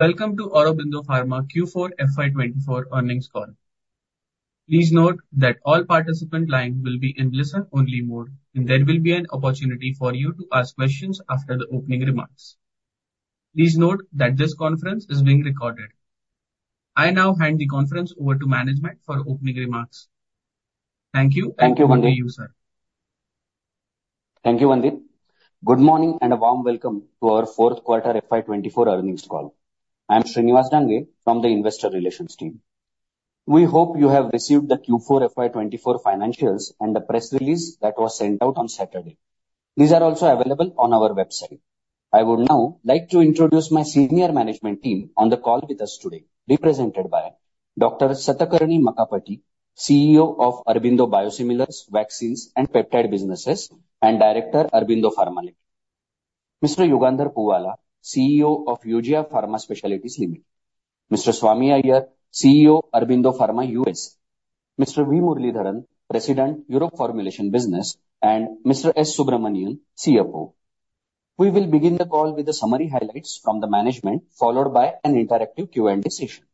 ...Welcome to Aurobindo Pharma Q4 FY 2024 earnings call. Please note that all participant lines will be in listen-only mode, and there will be an opportunity for you to ask questions after the opening remarks. Please note that this conference is being recorded. I now hand the conference over to management for opening remarks. Thank you. Thank you, Mandeep. Over to you, sir. Thank you, Mandeep. Good morning, and a warm welcome to our fourth quarter FY 24 earnings call. I am Shriniwas Dange from the Investor Relations team. We hope you have received the Q4 FY 24 financials and the press release that was sent out on Saturday. These are also available on our website. I would now like to introduce my senior management team on the call with us today, represented by Dr. Satakarni Makkapati, CEO of Aurobindo Biosimilars, Vaccines, and Peptide Businesses, and Director, Aurobindo Pharma Ltd. Mr. Yugandhar Puvvala, CEO of Eugia Pharma Specialities Limited. Mr. Swami Iyer, CEO, Aurobindo Pharma USA. Mr. V. Muralidharan, President, Europe Formulations Business, and Mr. S. Subramanian, CFO. We will begin the call with the summary highlights from the management, followed by an interactive Q&A session.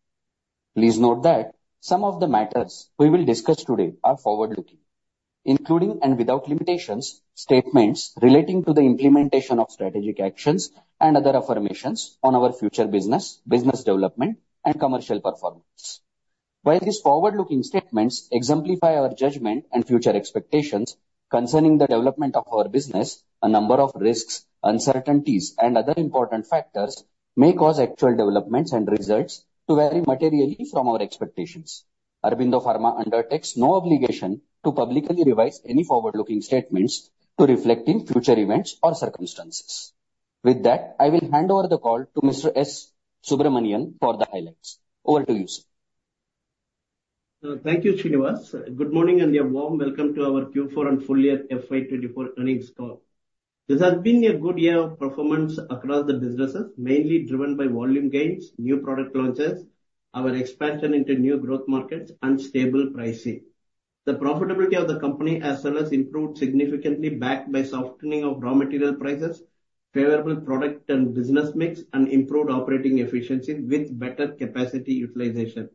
Please note that some of the matters we will discuss today are forward-looking, including and without limitations, statements relating to the implementation of strategic actions and other affirmations on our future business, business development, and commercial performance. While these forward-looking statements exemplify our judgment and future expectations concerning the development of our business, a number of risks, uncertainties, and other important factors may cause actual developments and results to vary materially from our expectations. Aurobindo Pharma undertakes no obligation to publicly revise any forward-looking statements to reflect in future events or circumstances. With that, I will hand over the call to Mr. S. Subramanian for the highlights. Over to you, sir. Thank you, Srinivas. Good morning, and a warm welcome to our Q4 and full year FY 2024 earnings call. This has been a good year of performance across the businesses, mainly driven by volume gains, new product launches, our expansion into new growth markets, and stable pricing. The profitability of the company has also improved significantly, backed by softening of raw material prices, favorable product and business mix, and improved operating efficiency with better capacity utilization.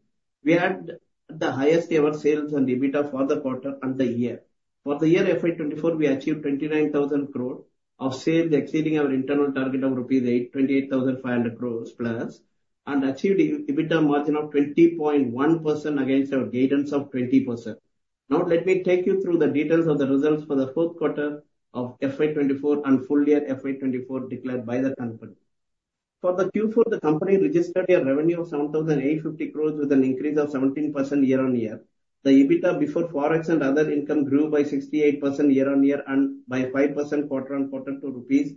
We had the highest ever sales and EBITDA for the quarter and the year. For the year FY 2024, we achieved 29,000 crore of sales, exceeding our internal target of rupees 28,500 crores plus, and achieved EBITDA margin of 20.1% against our guidance of 20%. Now, let me take you through the details of the results for the fourth quarter of FY 2024 and full year FY 2024 declared by the company. For the Q4, the company registered a revenue of 7,850 crores, with an increase of 17% year-on-year. The EBITDA before Forex and other income grew by 68% year-on-year and by 5% quarter-on-quarter to rupees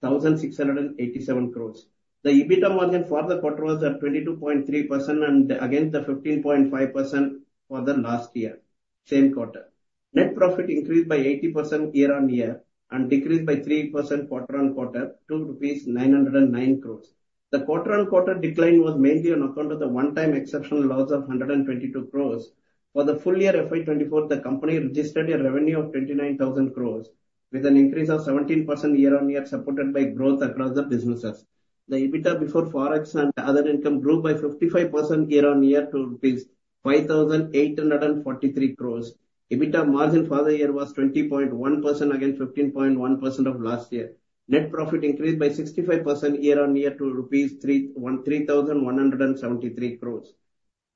1,687 crores. The EBITDA margin for the quarter was at 22.3%, and against the 15.5% for the last year, same quarter. Net profit increased by 80% year-on-year and decreased by 3% quarter-on-quarter to rupees 909 crores. The quarter-on-quarter decline was mainly on account of the one-time exceptional loss of 122 crores. For the full year FY 2024, the company registered a revenue of 29,000 crore, with an increase of 17% year-on-year, supported by growth across the businesses. The EBITDA before Forex and other income grew by 55% year-on-year to rupees 5,843 crore. EBITDA margin for the year was 20.1%, against 15.1% of last year. Net profit increased by 65% year-on-year to rupees 3,173 crore.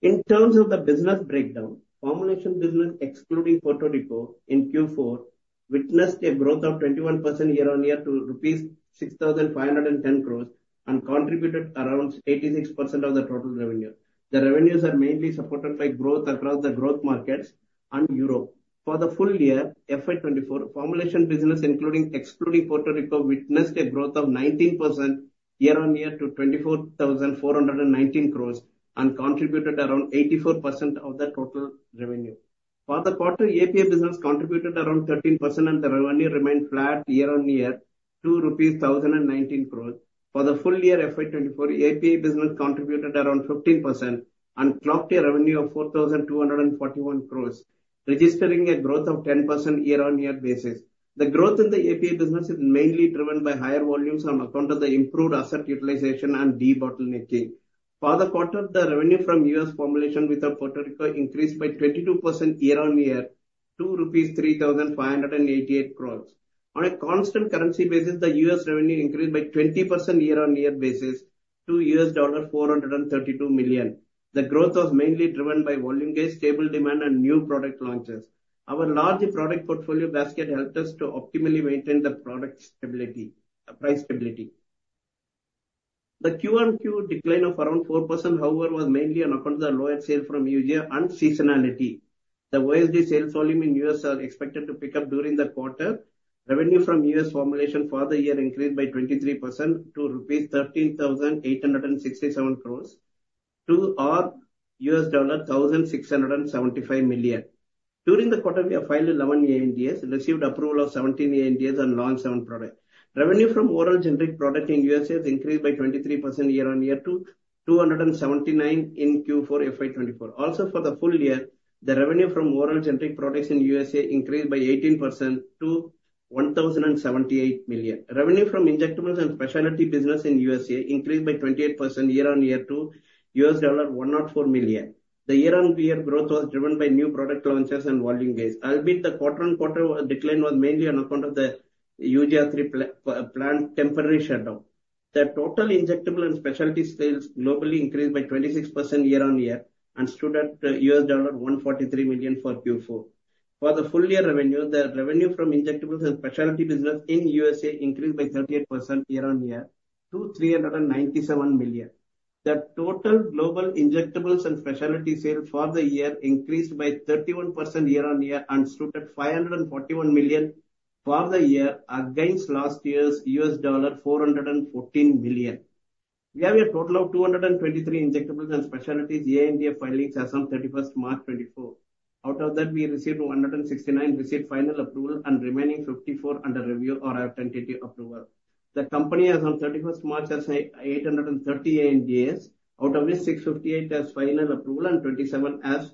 In terms of the business breakdown, formulation business, excluding Puerto Rico, in Q4, witnessed a growth of 21% year-on-year to rupees 6,510 crore, and contributed around 86% of the total revenue. The revenues are mainly supported by growth across the growth markets and Europe. For the full year, FY 2024, formulation business, including, excluding Puerto Rico, witnessed a growth of 19% year-on-year to 24,419 crore, and contributed around 84% of the total revenue. For the quarter, APA business contributed around 13%, and the revenue remained flat year-on-year to 1,019 crore. For the full year FY 2024, APA business contributed around 15% and clocked a revenue of 4,241 crore, registering a growth of 10% year-on-year basis. The growth in the APA business is mainly driven by higher volumes on account of the improved asset utilization and debottlenecking. For the quarter, the revenue from US formulation without Puerto Rico increased by 22% year-on-year to rupees 3,588 crore. On a constant currency basis, the US revenue increased by 20% year-on-year to $432 million. The growth was mainly driven by volume gains, stable demand, and new product launches. Our large product portfolio basket helped us to optimally maintain the product stability, price stability. The QoQ decline of around 4%, however, was mainly on account of the lower sale from Eugia and seasonality. The Eugia sales volume in US are expected to pick up during the quarter. Revenue from US formulation for the year increased by 23% to rupees 13,867 crore or $1,675 million. During the quarter, we have filed 11 ANDAs, received approval of 17 ANDAs, and launched seven products. Revenue from oral generic product in USA has increased by 23% year-on-year to $279 million in Q4 FY 2024. Also, for the full year, the revenue from oral generic products in USA increased by 18% to $1,078 million. Revenue from injectables and specialty business in USA increased by 28% year-on-year to $104 million. The year-on-year growth was driven by new product launches and volume gains, albeit the quarter-on-quarter decline was mainly on account of the Eugia 3 plant temporary shutdown. The total injectable and specialty sales globally increased by 26% year-on-year, and stood at $143 million for Q4. For the full year revenue, the revenue from injectables and specialty business in USA increased by 38% year-on-year to $397 million. The total global injectables and specialty sale for the year increased by 31% year-on-year, and stood at $541 million for the year, against last year's $414 million. We have a total of 223 injectables and specialties ANDA filings as on March 31, 2024. Out of that, we received 169 received final approval, and remaining 54 under review or are tentative approval. The company as on March 31, 2024 has 830 ANDAs, out of which 658 has final approval and 27 has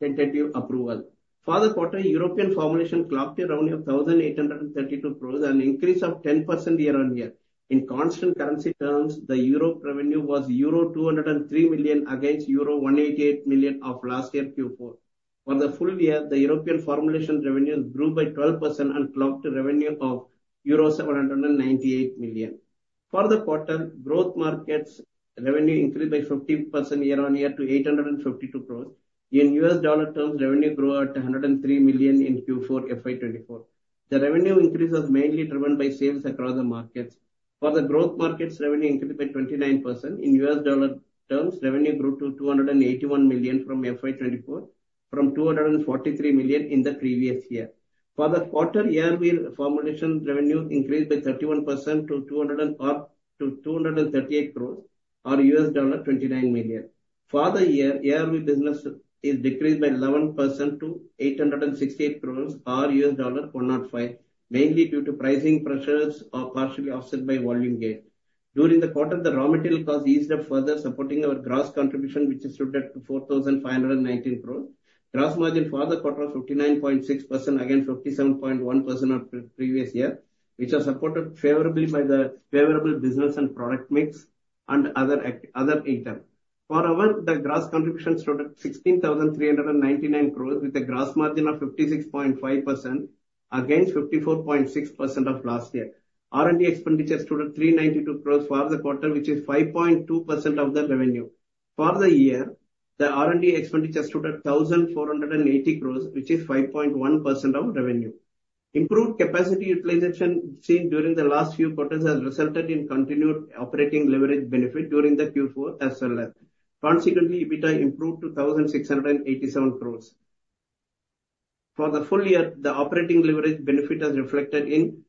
tentative approval. For the quarter, European formulation clocked a revenue of 1,832 crore, an increase of 10% year-on-year. In constant currency terms, the Europe revenue was euro 203 million against euro 188 million of last year, Q4. For the full year, the European formulation revenues grew by 12% and clocked a revenue of euro 798 million. For the quarter, growth markets revenue increased by 15% year-on-year to 852 crore. In US dollar terms, revenue grew at $103 million in Q4 FY 2024. The revenue increase was mainly driven by sales across the markets. For the growth markets, revenue increased by 29%. In US dollar terms, revenue grew to $281 million from FY 2024, from $243 million in the previous year. For the quarter, ARV formulation revenue increased by 31% to two hundred and thirty-eight crores, or $29 million. For the year, ARV business is decreased by 11% to 868 crores or $105 million, mainly due to pricing pressures partially offset by volume gain. During the quarter, the raw material costs eased up further, supporting our gross contribution, which stood at 4,519 crores. Gross margin for the quarter of 59.6%, against 57.1% of the previous year, which was supported favorably by the favorable business and product mix and other item. For the year, the gross contribution stood at 16,399 crores, with a gross margin of 56.5%, against 54.6% of last year. R&D expenditure stood at 392 crores for the quarter, which is 5.2% of the revenue. For the year, the R&D expenditure stood at 1,480 crore, which is 5.1% of revenue. Improved capacity utilization seen during the last few quarters has resulted in continued operating leverage benefit during the Q4 as well. Consequently, EBITDA improved to 1,687 crore. For the full year, the operating leverage benefit has reflected in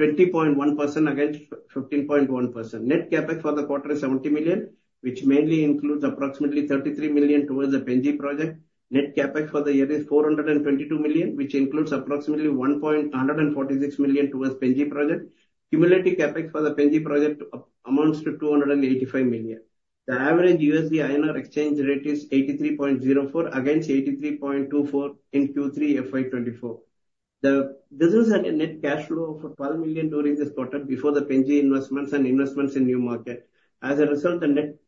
20.1% against 15.1%. Net CapEx for the quarter is $70 million, which mainly includes approximately $33 million towards the Pen-G project. Net CapEx for the year is $422 million, which includes approximately $146 million towards Pen-G project. Cumulative CapEx for the Pen-G project amounts to $285 million. The average USD INR exchange rate is 83.04 against 83.24 in Q3 FY 2024. The business had a net cash flow of $12 million during this quarter, before the Pen-G investments and investments in new market. As a result, the net cash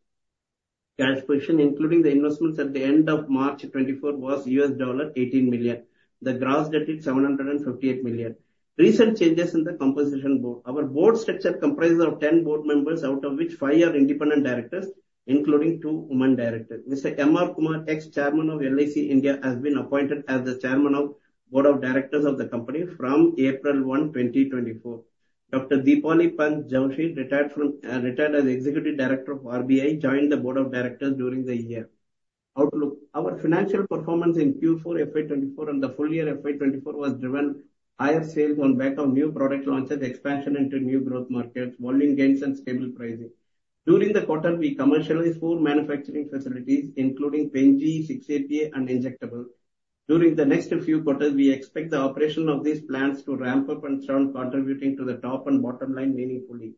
position, including the investments at the end of March 2024, was US dollar $18 million. The gross debt is $758 million. Recent changes in the composition board. Our board structure comprises of 10 board members, out of which 5 are independent directors, including 2 women directors. Mr. M. R. Kumar, ex-chairman of LIC India, has been appointed as the Chairman of the Board of Directors of the company from April 1, 2024. Dr. Deepali Pant Joshi, retired from, retired as Executive Director of RBI, joined the Board of Directors during the year. Outlook. Our financial performance in Q4 FY 2024 and the full year FY 2024 was driven higher sales on back of new product launches, expansion into new growth markets, volume gains, and stable pricing. During the quarter, we commercialized four manufacturing facilities, including Pen-G, 6-APA, and injectables. During the next few quarters, we expect the operation of these plants to ramp up and start contributing to the top and bottom line meaningfully.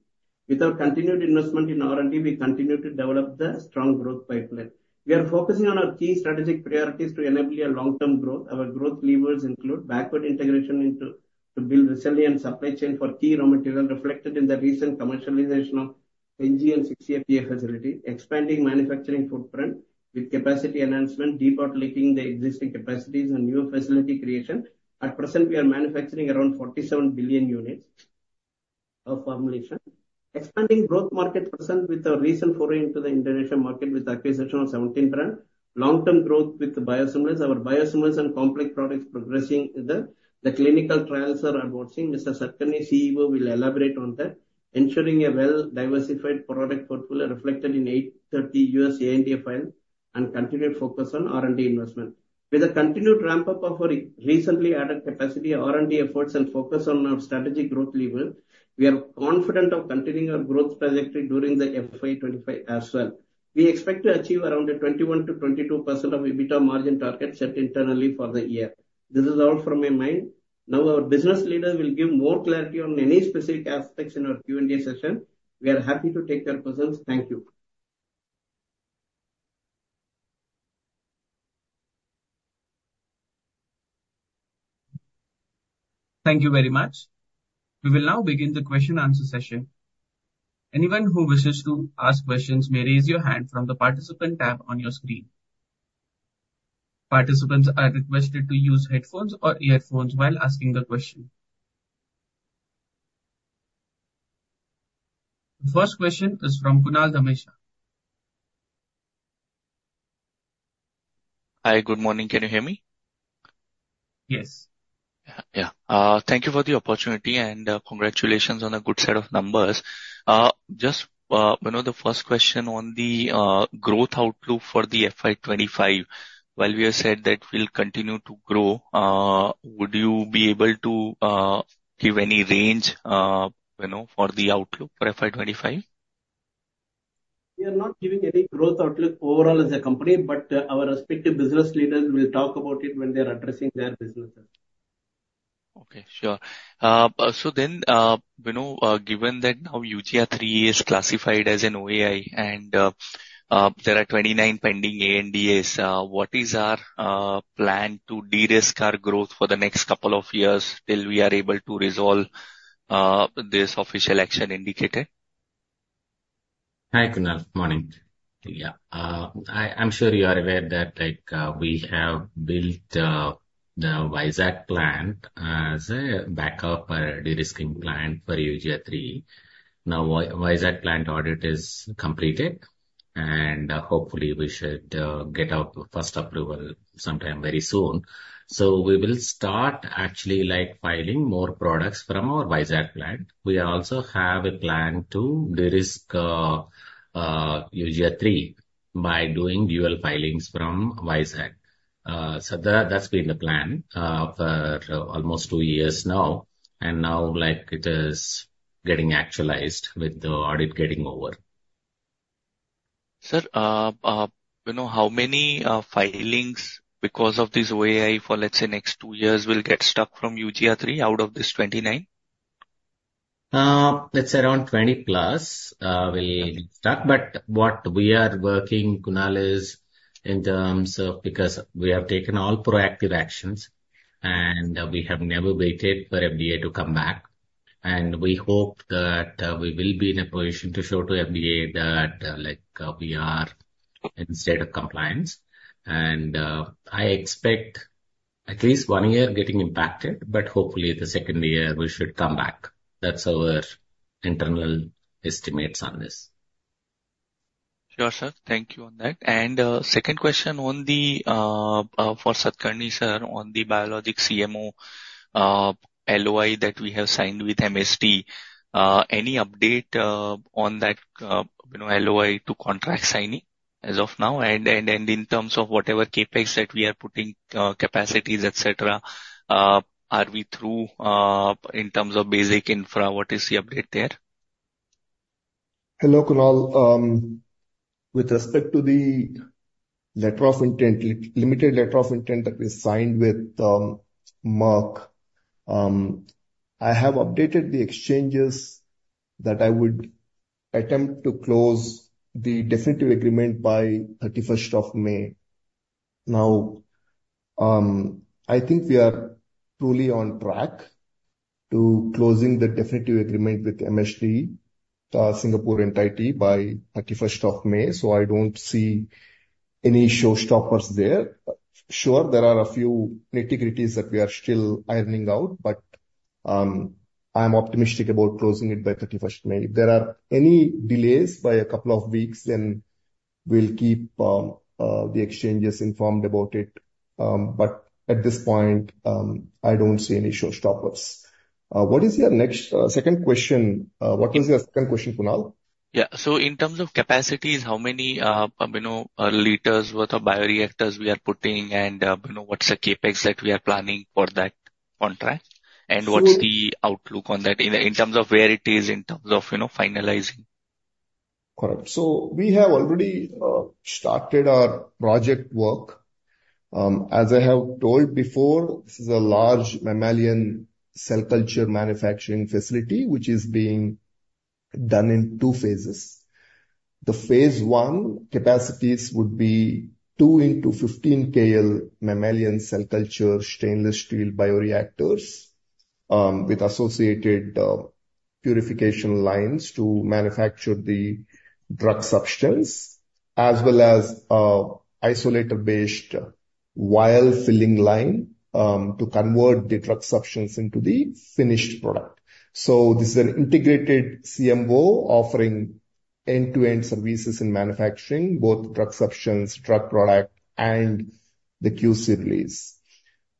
With our continued investment in R&D, we continue to develop the strong growth pipeline. We are focusing on our key strategic priorities to enable a long-term growth. Our growth levers include backward integration to build resilient supply chain for key raw material, reflected in the recent commercialization of Pen-G and 6-APA facility. Expanding manufacturing footprint with capacity enhancement, depot linking the existing capacities and new facility creation. At present, we are manufacturing around 47 billion units of formulation. Expanding growth market presence with our recent foray into the Indonesia market with acquisition of certain brands. Long-term growth with biosimilars. Our biosimilars and complex products progressing, the clinical trials are advancing. Mr. Satakarni, CEO, will elaborate on that, ensuring a well-diversified product portfolio reflected in 830 US ANDA filings, and continued focus on R&D investment. With the continued ramp-up of our recently added capacity, R&D efforts, and focus on our strategic growth lever, we are confident of continuing our growth trajectory during the FY 2025 as well. We expect to achieve around a 21%-22% EBITDA margin target set internally for the year. This is all from my mind. Now, our business leader will give more clarity on any specific aspects in our Q&A session. We are happy to take that presence. Thank you. ...Thank you very much. We will now begin the question answer session. Anyone who wishes to ask questions may raise your hand from the participant tab on your screen. Participants are requested to use headphones or earphones while asking the question. The first question is from Kunal Ramesh. Hi, good morning. Can you hear me? Yes. Yeah. Thank you for the opportunity, and congratulations on a good set of numbers. Just, you know, the first question on the growth outlook for the FY 25. While we have said that we'll continue to grow, would you be able to give any range, you know, for the outlook for FY 25? We are not giving any growth outlook overall as a company, but, our respective business leaders will talk about it when they are addressing their businesses. Okay, sure. So then, you know, given that now Eugia three is classified as an OAI and, there are 29 pending ANDAs, what is our plan to de-risk our growth for the next couple of years till we are able to resolve this official action indicator? Hi, Kunal. Morning. Yeah. I’m sure you are aware that, like, we have built the Vizag plant as a backup for de-risking plant for Unit 3. Now, Vizag plant audit is completed, and hopefully we should get our first approval sometime very soon. So we will start actually, like, filing more products from our Vizag plant. We also have a plan to de-risk Unit 3 by doing dual filings from Vizag. So that, that’s been the plan for almost two years now, and now, like, it is getting actualized with the audit getting over. Sir, you know, how many filings, because of this OAI for, let's say, next 2 years, will get stuck from Unit III out of this 29? It's around 20 plus, will stuck. But what we are working, Kunal, is in terms of... because we have taken all proactive actions, and we have never waited for FDA to come back. And we hope that, we will be in a position to show to FDA that, like, we are in state of compliance. And, I expect at least 1 year getting impacted, but hopefully the second year we should come back. That's our internal estimates on this. Sure, sir. Thank you on that. And, second question on the, for Satakarni sir, on the biologic CMO, LOI that we have signed with MSD. Any update, on that, you know, LOI to contract signing as of now? And, and, and in terms of whatever CapEx that we are putting, capacities, et cetera, are we through, in terms of basic infra? What is the update there? Hello, Kunal. With respect to the letter of intent, limited letter of intent that we signed with Merck, I have updated the exchanges that I would attempt to close the definitive agreement by 31st of May. Now, I think we are truly on track to closing the definitive agreement with MSD, Singapore entity by 31st of May, so I don't see any showstoppers there. Sure, there are a few nitty-gritties that we are still ironing out, but I'm optimistic about closing it by 31st May. If there are any delays by a couple of weeks, then we'll keep the exchanges informed about it, but at this point, I don't see any showstoppers. What is your next second question? What was your second question, Kunal? Yeah. So in terms of capacities, how many, you know, liters worth of bioreactors we are putting and, you know, what's the CapEx that we are planning for that contract? So- What's the outlook on that in terms of where it is, in terms of, you know, finalizing? Correct. So we have already started our project work. As I have told before, this is a large mammalian cell culture manufacturing facility, which is being done in 2 phases. The phase 1 capacities would be 2 into 15 KL mammalian cell culture, stainless steel bioreactors, with associated purification lines to manufacture the drug substance, as well as isolator-based vial filling line, to convert the drug substance into the finished product. So this is an integrated CMO offering end-to-end services in manufacturing, both drug substance, drug product, and the QC release.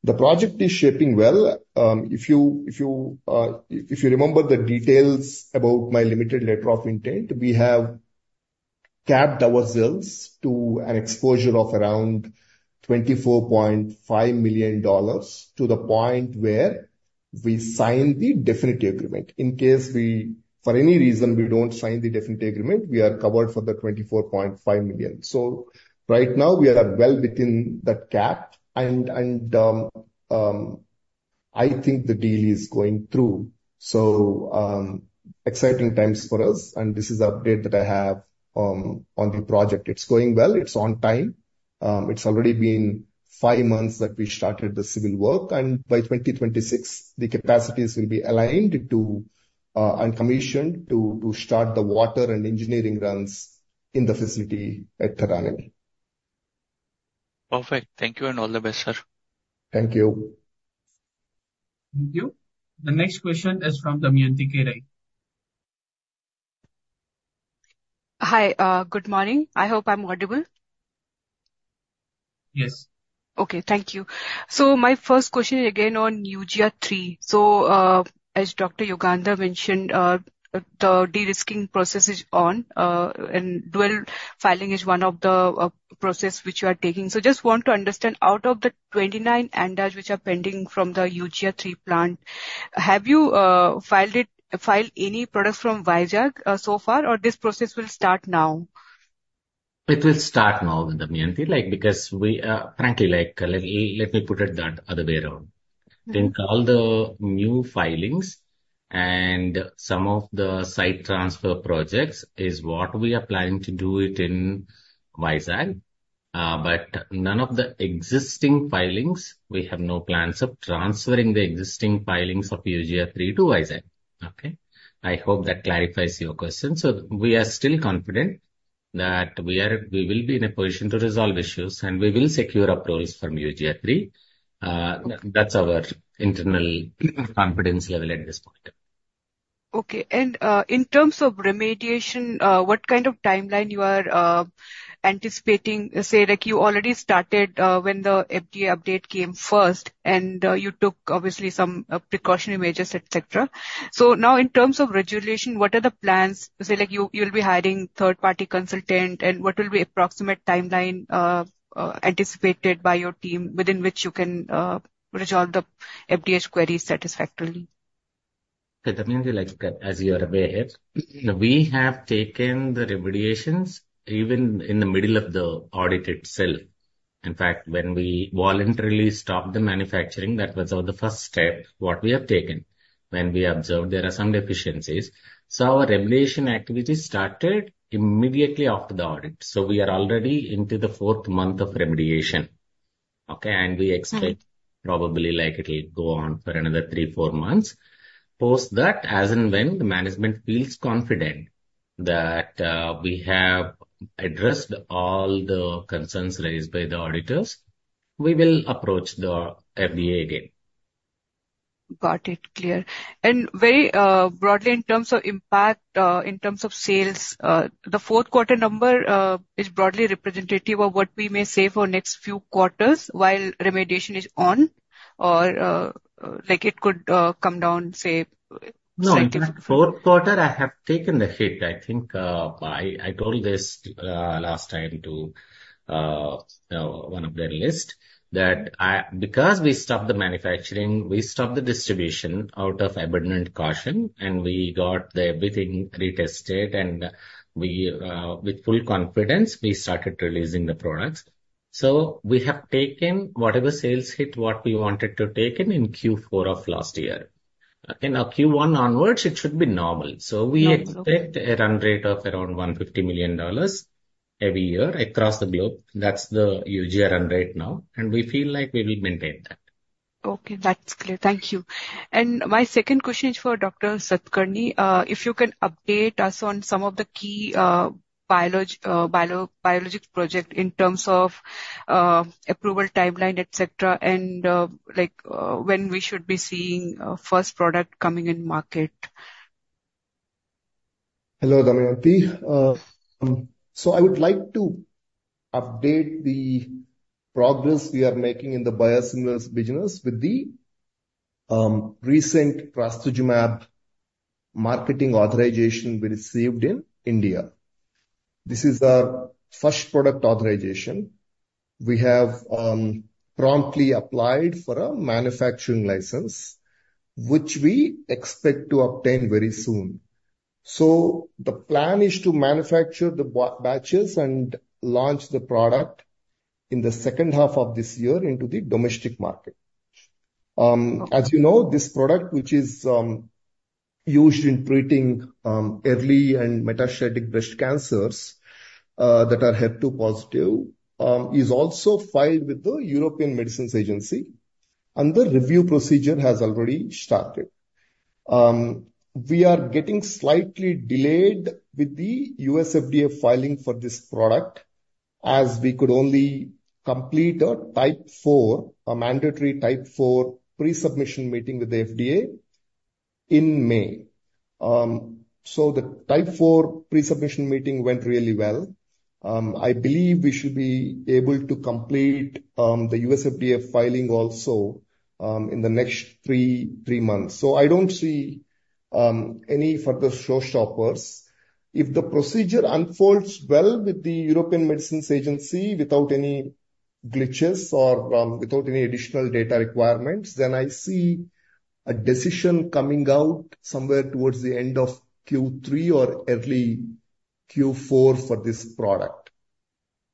The project is shaping well. If you remember the details about the MSD letter of intent, we have capped ourselves to an exposure of around $24.5 million to the point where we sign the definitive agreement. In case we, for any reason, we don't sign the definitive agreement, we are covered for the $24.5 million. So right now, we are well within that cap and I think the deal is going through. So, exciting times for us, and this is the update that I have on the project. It's going well. It's on time. It's already been five months that we started the civil work, and by 2026, the capacities will be aligned to and commissioned to start the water and engineering runs in the facility at Turkapally. Perfect. Thank you, and all the best, sir. Thank you. Thank you. The next question is from Damayanti Kerai. Hi, good morning. I hope I'm audible. Yes. Okay. Thank you. So my first question is again on Eugia 3. So, as Dr. Yugandhar mentioned, the de-risking process is on, and dual filing is one of the process which you are taking. So just want to understand, out of the 29 ANDAs which are pending from the Eugia 3 plant, have you filed it, filed any products from Vizag, so far, or this process will start now? It will start now, Damayanti, like, because we, frankly, like, let me, let me put it that other way around. Mm-hmm. In all the new filings and some of the site transfer projects is what we are planning to do it in Vizag, but none of the existing filings, we have no plans of transferring the existing filings of Eugia 3 to Vizag, okay? I hope that clarifies your question. So we are still confident that we are- we will be in a position to resolve issues, and we will secure approvals from Eugia 3. That's our internal confidence level at this point. Okay. And, in terms of remediation, what kind of timeline you are anticipating? Say, like, you already started, when the FDA update came first, and, you took obviously some, precautionary measures, et cetera. So now in terms of remediation, what are the plans? Say, like, you, you'll be hiring third-party consultant, and what will be approximate timeline, anticipated by your team, within which you can, resolve the FDA queries satisfactorily? Damayanti, like, as you are aware, we have taken the remediations even in the middle of the audit itself. In fact, when we voluntarily stopped the manufacturing, that was of the first step what we have taken when we observed there are some deficiencies. So our remediation activity started immediately after the audit. So we are already into the fourth month of remediation, okay? Mm-hmm. We expect probably like it'll go on for another 3-4 months. Post that, as and when the management feels confident that we have addressed all the concerns raised by the auditors, we will approach the FDA again. Got it, clear. And very, broadly in terms of impact, in terms of sales, the fourth quarter number, is broadly representative of what we may say for next few quarters while remediation is on, or, like it could, come down, say, second- No, in the fourth quarter, I have taken the hit. I think, I, I told this last time to one of the analysts, that I... Because we stopped the manufacturing, we stopped the distribution out of abundant caution, and we got the everything retested, and we, with full confidence, we started releasing the products. So we have taken whatever sales hit what we wanted to taken in Q4 of last year, okay? Now, Q1 onwards, it should be normal. Okay. So we expect a run rate of around $150 million every year across the globe. That's the Eugia run rate now, and we feel like we will maintain that. Okay, that's clear. Thank you. My second question is for Dr. Satakarni. If you can update us on some of the key biologics project in terms of approval, timeline, et cetera, and like when we should be seeing first product coming in market. Hello, Damayanti. So I would like to update the progress we are making in the biosimilars business with the recent trastuzumab marketing authorization we received in India. This is our first product authorization. We have promptly applied for a manufacturing license, which we expect to obtain very soon. So the plan is to manufacture the batches and launch the product in the second half of this year into the domestic market. As you know, this product, which is used in treating early and metastatic breast cancers that are HER2 positive, is also filed with the European Medicines Agency, and the review procedure has already started. We are getting slightly delayed with the U.S. FDA filing for this product, as we could only complete a Type 4, a mandatory Type 4 pre-submission meeting with the FDA in May. So the Type 4 pre-submission meeting went really well. I believe we should be able to complete the U.S. FDA filing also in the next three months. So I don't see any further showstoppers. If the procedure unfolds well with the European Medicines Agency without any glitches or without any additional data requirements, then I see a decision coming out somewhere towards the end of Q3 or early Q4 for this product.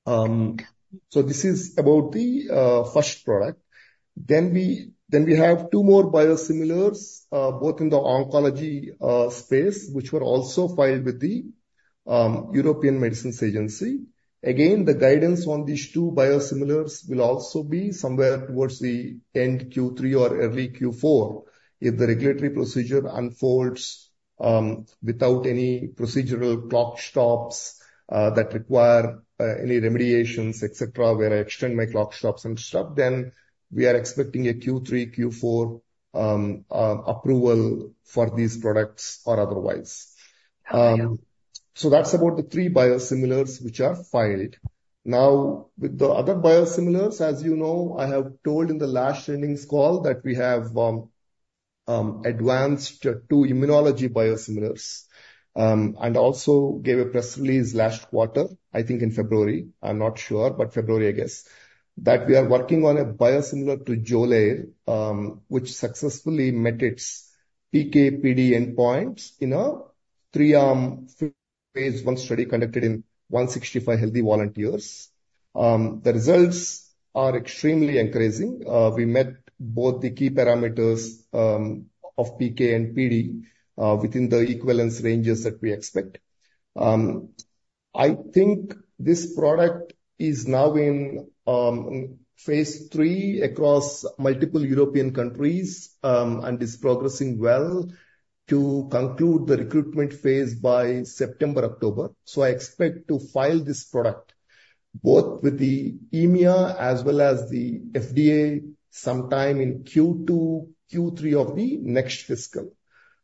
So this is about the first product. Then we have two more biosimilars both in the oncology space, which were also filed with the European Medicines Agency. Again, the guidance on these two biosimilars will also be somewhere towards the end Q3 or early Q4. If the regulatory procedure unfolds, without any procedural clock stops, that require, any remediations, et cetera, where I extend my clock stops and stuff, then we are expecting a Q3, Q4, approval for these products or otherwise. Okay. So that's about the three biosimilars which are filed. Now, with the other biosimilars, as you know, I have told in the last earnings call that we have advanced two immunology biosimilars and also gave a press release last quarter, I think in February, I'm not sure, but February, I guess, that we are working on a biosimilar to Xolair, which successfully met its PK/PD endpoints in a three-arm, phase 1 study conducted in 165 healthy volunteers. The results are extremely encouraging. We met both the key parameters of PK and PD within the equivalence ranges that we expect. I think this product is now in phase 3 across multiple European countries and is progressing well to conclude the recruitment phase by September, October. So I expect to file this product both with the EMEA as well as the FDA, sometime in Q2, Q3 of the next fiscal.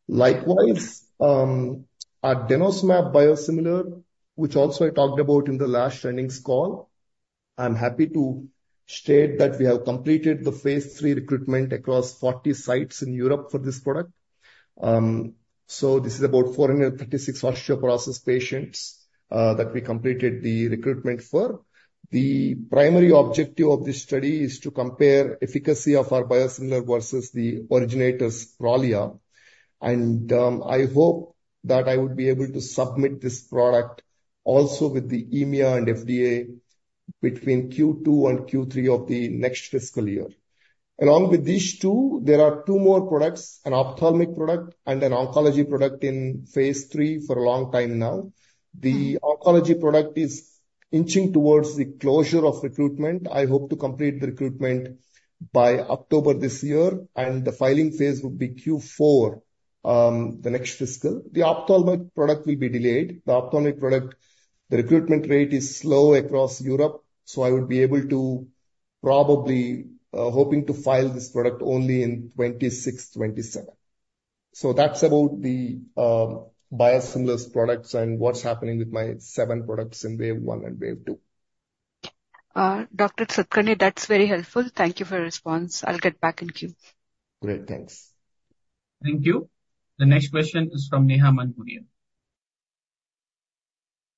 Likewise, our Denosumab biosimilar, which also I talked about in the last earnings call, I'm happy to state that we have completed the phase 3 recruitment across 40 sites in Europe for this product. So this is about 436 osteoporotic patients, that we completed the recruitment for. The primary objective of this study is to compare efficacy of our biosimilar versus the originator's Prolia. And, I hope that I would be able to submit this product also with the EMEA and FDA between Q2 and Q3 of the next fiscal year. Along with these two, there are two more products, an ophthalmic product and an oncology product in phase 3 for a long time now. The oncology product is inching towards the closure of recruitment. I hope to complete the recruitment by October this year, and the filing phase would be Q4, the next fiscal. The ophthalmic product will be delayed. The ophthalmic product, the recruitment rate is slow across Europe, so I would be able to probably, hoping to file this product only in 2026, 2027. So that's about the, biosimilars products and what's happening with my seven products in wave one and wave two. Dr. Satakarni, that's very helpful. Thank you for your response. I'll get back in queue. Great. Thanks. Thank you. The next question is from Neha Manpuria.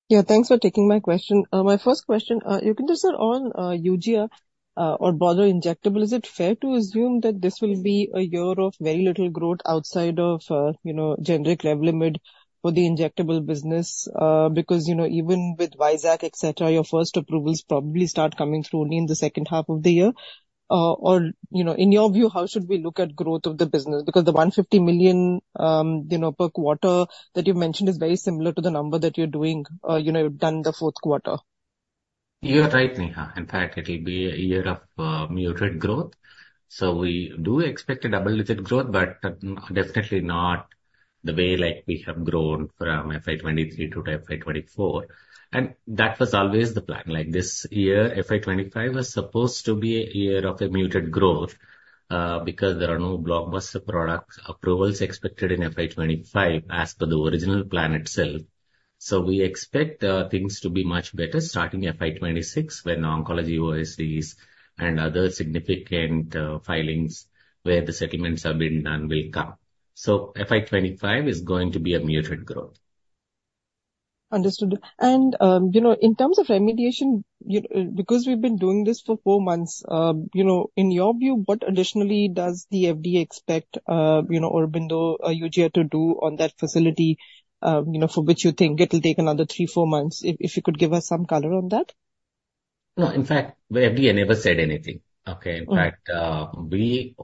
Yeah, thanks for taking my question. My first question, you can just start on Eugia or broader injectables. Is it fair to assume that this will be a year of very little growth outside of, you know, generic Revlimid for the injectable business? Because, you know, even with Vizag, et cetera, your first approvals probably start coming through only in the second half of the year. Or, you know, in your view, how should we look at growth of the business? Because the $150 million, you know, per quarter that you mentioned is very similar to the number that you're doing, you know, you've done the fourth quarter. You are right, Neha. In fact, it'll be a year of, muted growth. So we do expect a double-digit growth, but definitely not the way like we have grown from FY 2023 to FY 2024, and that was always the plan. Like, this year, FY 2025, was supposed to be a year of a muted growth, because there are no blockbuster product approvals expected in FY 2025, as per the original plan itself. So we expect, things to be much better starting FY 2026, when oncology OSCs and other significant, filings where the settlements have been done will come. So FY 2025 is going to be a muted growth. Understood. And, you know, in terms of remediation, because we've been doing this for four months, you know, in your view, what additionally does the FDA expect, you know, Aurobindo, Eugia to do on that facility, you know, for which you think it'll take another three, four months? If you could give us some color on that. No, in fact, the FDA never said anything, okay. Mm. In fact, we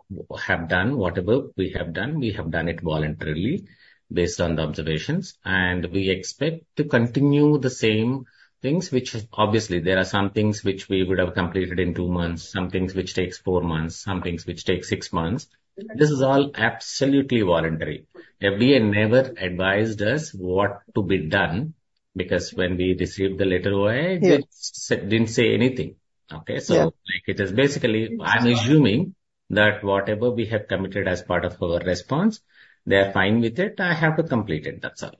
have done whatever we have done; we have done it voluntarily based on the observations, and we expect to continue the same things, which obviously there are some things which we would have completed in 2 months, some things which takes 4 months, some things which take 6 months. Mm-hmm. This is all absolutely voluntary. FDA never advised us what to be done, because when we received the letter away- Yes. It said, didn't say anything. Okay? Yeah. So, like, it is basically. I'm assuming that whatever we have committed as part of our response, they are fine with it. I have to complete it, that's all.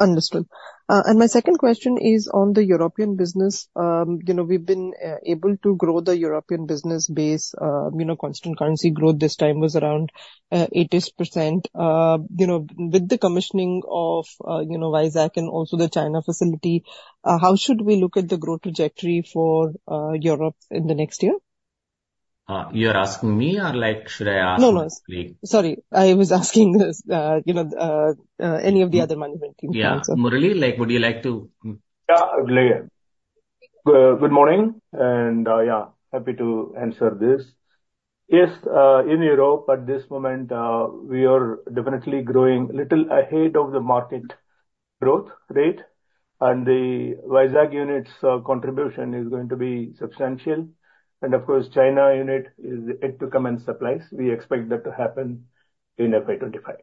Understood. My second question is on the European business. You know, we've been able to grow the European business base, you know, constant currency growth this time was around 80%. You know, with the commissioning of, you know, Vizag and also the China facility, how should we look at the growth trajectory for Europe in the next year? ... you're asking me or, like, should I ask- No, no. Sorry, I was asking, you know, any of the other management team. Yeah. Murali, like, would you like to? Yeah, good morning, and yeah, happy to answer this. Yes, in Europe at this moment, we are definitely growing a little ahead of the market growth rate, and the Vizag unit's contribution is going to be substantial. And of course, China unit is yet to come and supplies. We expect that to happen in FY 2025.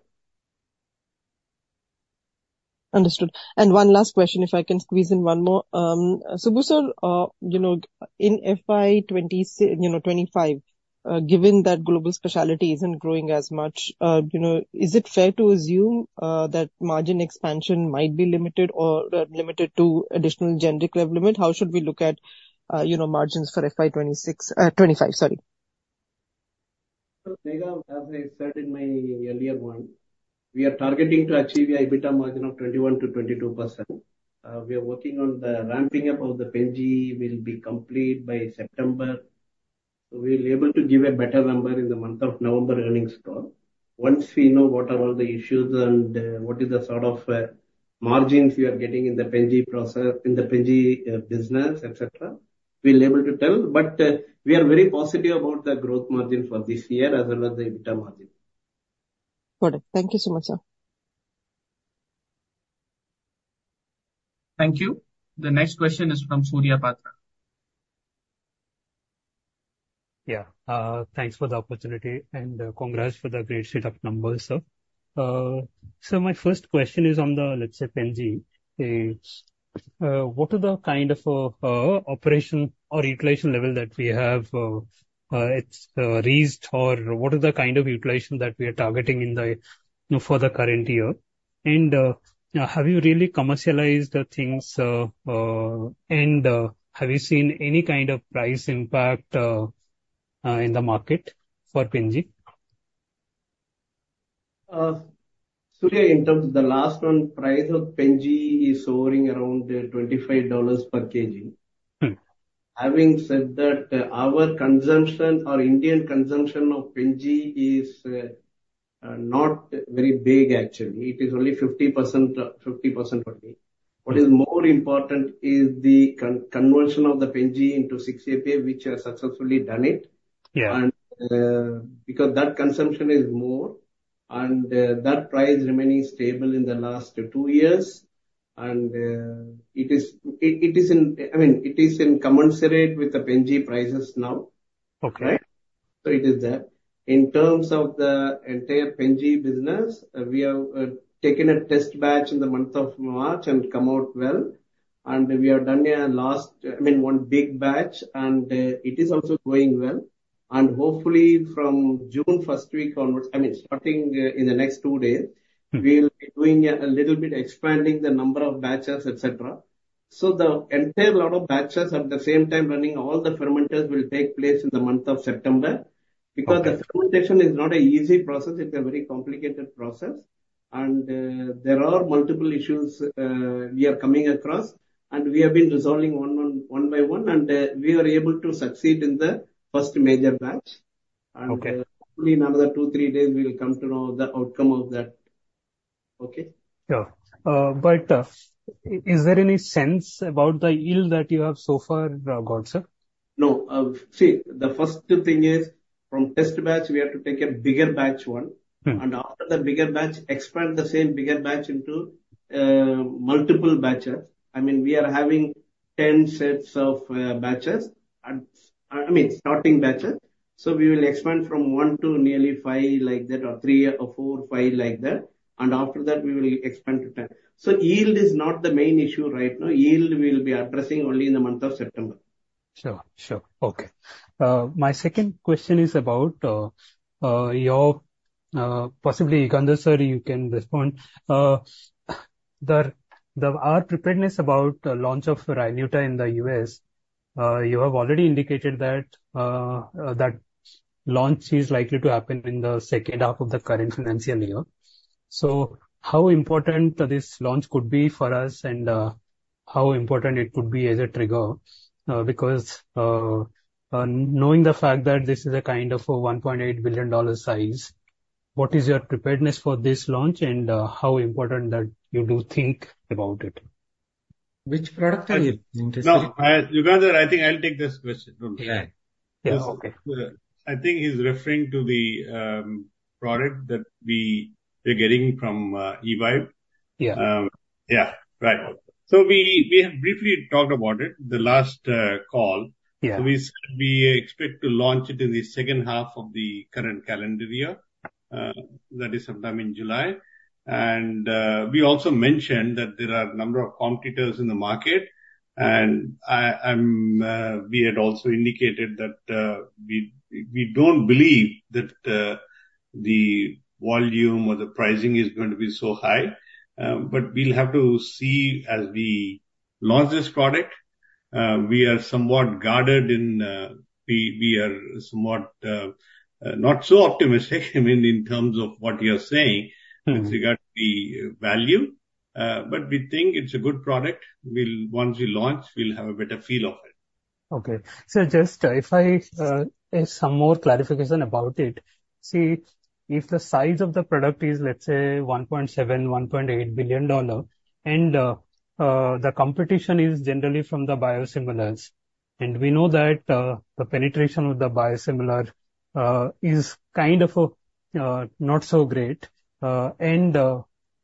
Understood. One last question, if I can squeeze in one more. Subbu Sir, you know, in FY 25, given that global specialty isn't growing as much, you know, is it fair to assume that margin expansion might be limited or limited to additional generic Revlimid? How should we look at, you know, margins for FY 26, 25, sorry? Megha, as I said in my earlier one, we are targeting to achieve an EBITDA margin of 21%-22%. We are working on the ramping up of the Pen G will be complete by September. We'll be able to give a better number in the month of November earnings call. Once we know what are all the issues and what is the sort of margins we are getting in the Pen G process, in the Pen G business, et cetera, we'll be able to tell. But we are very positive about the growth margin for this year as well as the EBITDA margin. Got it. Thank you so much, sir. Thank you. The next question is from Surya Patra. Yeah. Thanks for the opportunity, and congrats for the great set of numbers, sir. So my first question is on the, let's say, Pen-G. What are the kind of operation or utilization level that we have, it's raised, or what are the kind of utilization that we are targeting in the, you know, for the current year? And have you really commercialized the things, and have you seen any kind of price impact in the market for Pen-G? Surya, in terms the last one, price of Pen G is hovering around $25 per kg. Hmm. Having said that, our consumption or Indian consumption of Pen G is not very big, actually. It is only 50%, 50% only. What is more important is the conversion of the Pen G into 6-APA, which has successfully done it. Yeah. Because that consumption is more, and that price remaining stable in the last two years, and it is, I mean, incommensurate with the Pen-G prices now. Okay. Right? So it is there. In terms of the entire Pen-G business, we have taken a test batch in the month of March and come out well, and we have done, I mean, one big batch, and it is also going well. And hopefully, from June first week onwards, I mean, starting in the next two days- Hmm. We'll be doing a little bit expanding the number of batches, et cetera. So the entire lot of batches at the same time running, all the fermenters will take place in the month of September. Okay. Because the fermentation is not an easy process, it's a very complicated process. There are multiple issues we are coming across, and we have been resolving them one by one, and we were able to succeed in the first major batch. Okay. Hopefully in another 2-3 days, we will come to know the outcome of that. Okay? Yeah. But, is there any sense about the yield that you have so far got, sir? No, see, the first thing is, from test batch, we have to take a bigger batch one. Hmm. After the bigger batch, expand the same bigger batch into multiple batches. I mean, we are having 10 sets of batches and, I mean, starting batches. So we will expand from one to nearly five, like that, or three, or four, five, like that. And after that, we will expand to 10. So yield is not the main issue right now. Yield we'll be addressing only in the month of September. Sure. Sure. Okay. My second question is about, possibly Yugandhar, sir, you can respond. Our preparedness about the launch of Ryzneuta in the US, you have already indicated that that launch is likely to happen in the second half of the current financial year. So how important this launch could be for us and, how important it could be as a trigger? Because, knowing the fact that this is a kind of a $1.8 billion size, what is your preparedness for this launch, and, how important that you do think about it? Which product are you interested in? No, I, Yugandhar, I think I'll take this question. Don't worry. Yeah. Okay. I think he's referring to the product that we are getting from Evive. Yeah. Yeah, right. So we, we have briefly talked about it, the last call. Yeah. So we expect to launch it in the second half of the current calendar year, that is sometime in July. And we also mentioned that there are a number of competitors in the market, and we had also indicated that we don't believe that the volume or the pricing is going to be so high. But we'll have to see as we launch this product. We are somewhat guarded in. We are somewhat not so optimistic, I mean, in terms of what you are saying. Hmm. regarding the value, but we think it's a good product. We'll, once we launch, we'll have a better feel of it. Okay. So just, if I get some more clarification about it. See, if the size of the product is, let's say, $1.7 billion-$1.8 billion, and the competition is generally from the biosimilars. And we know that the penetration of the biosimilar is kind of not so great. And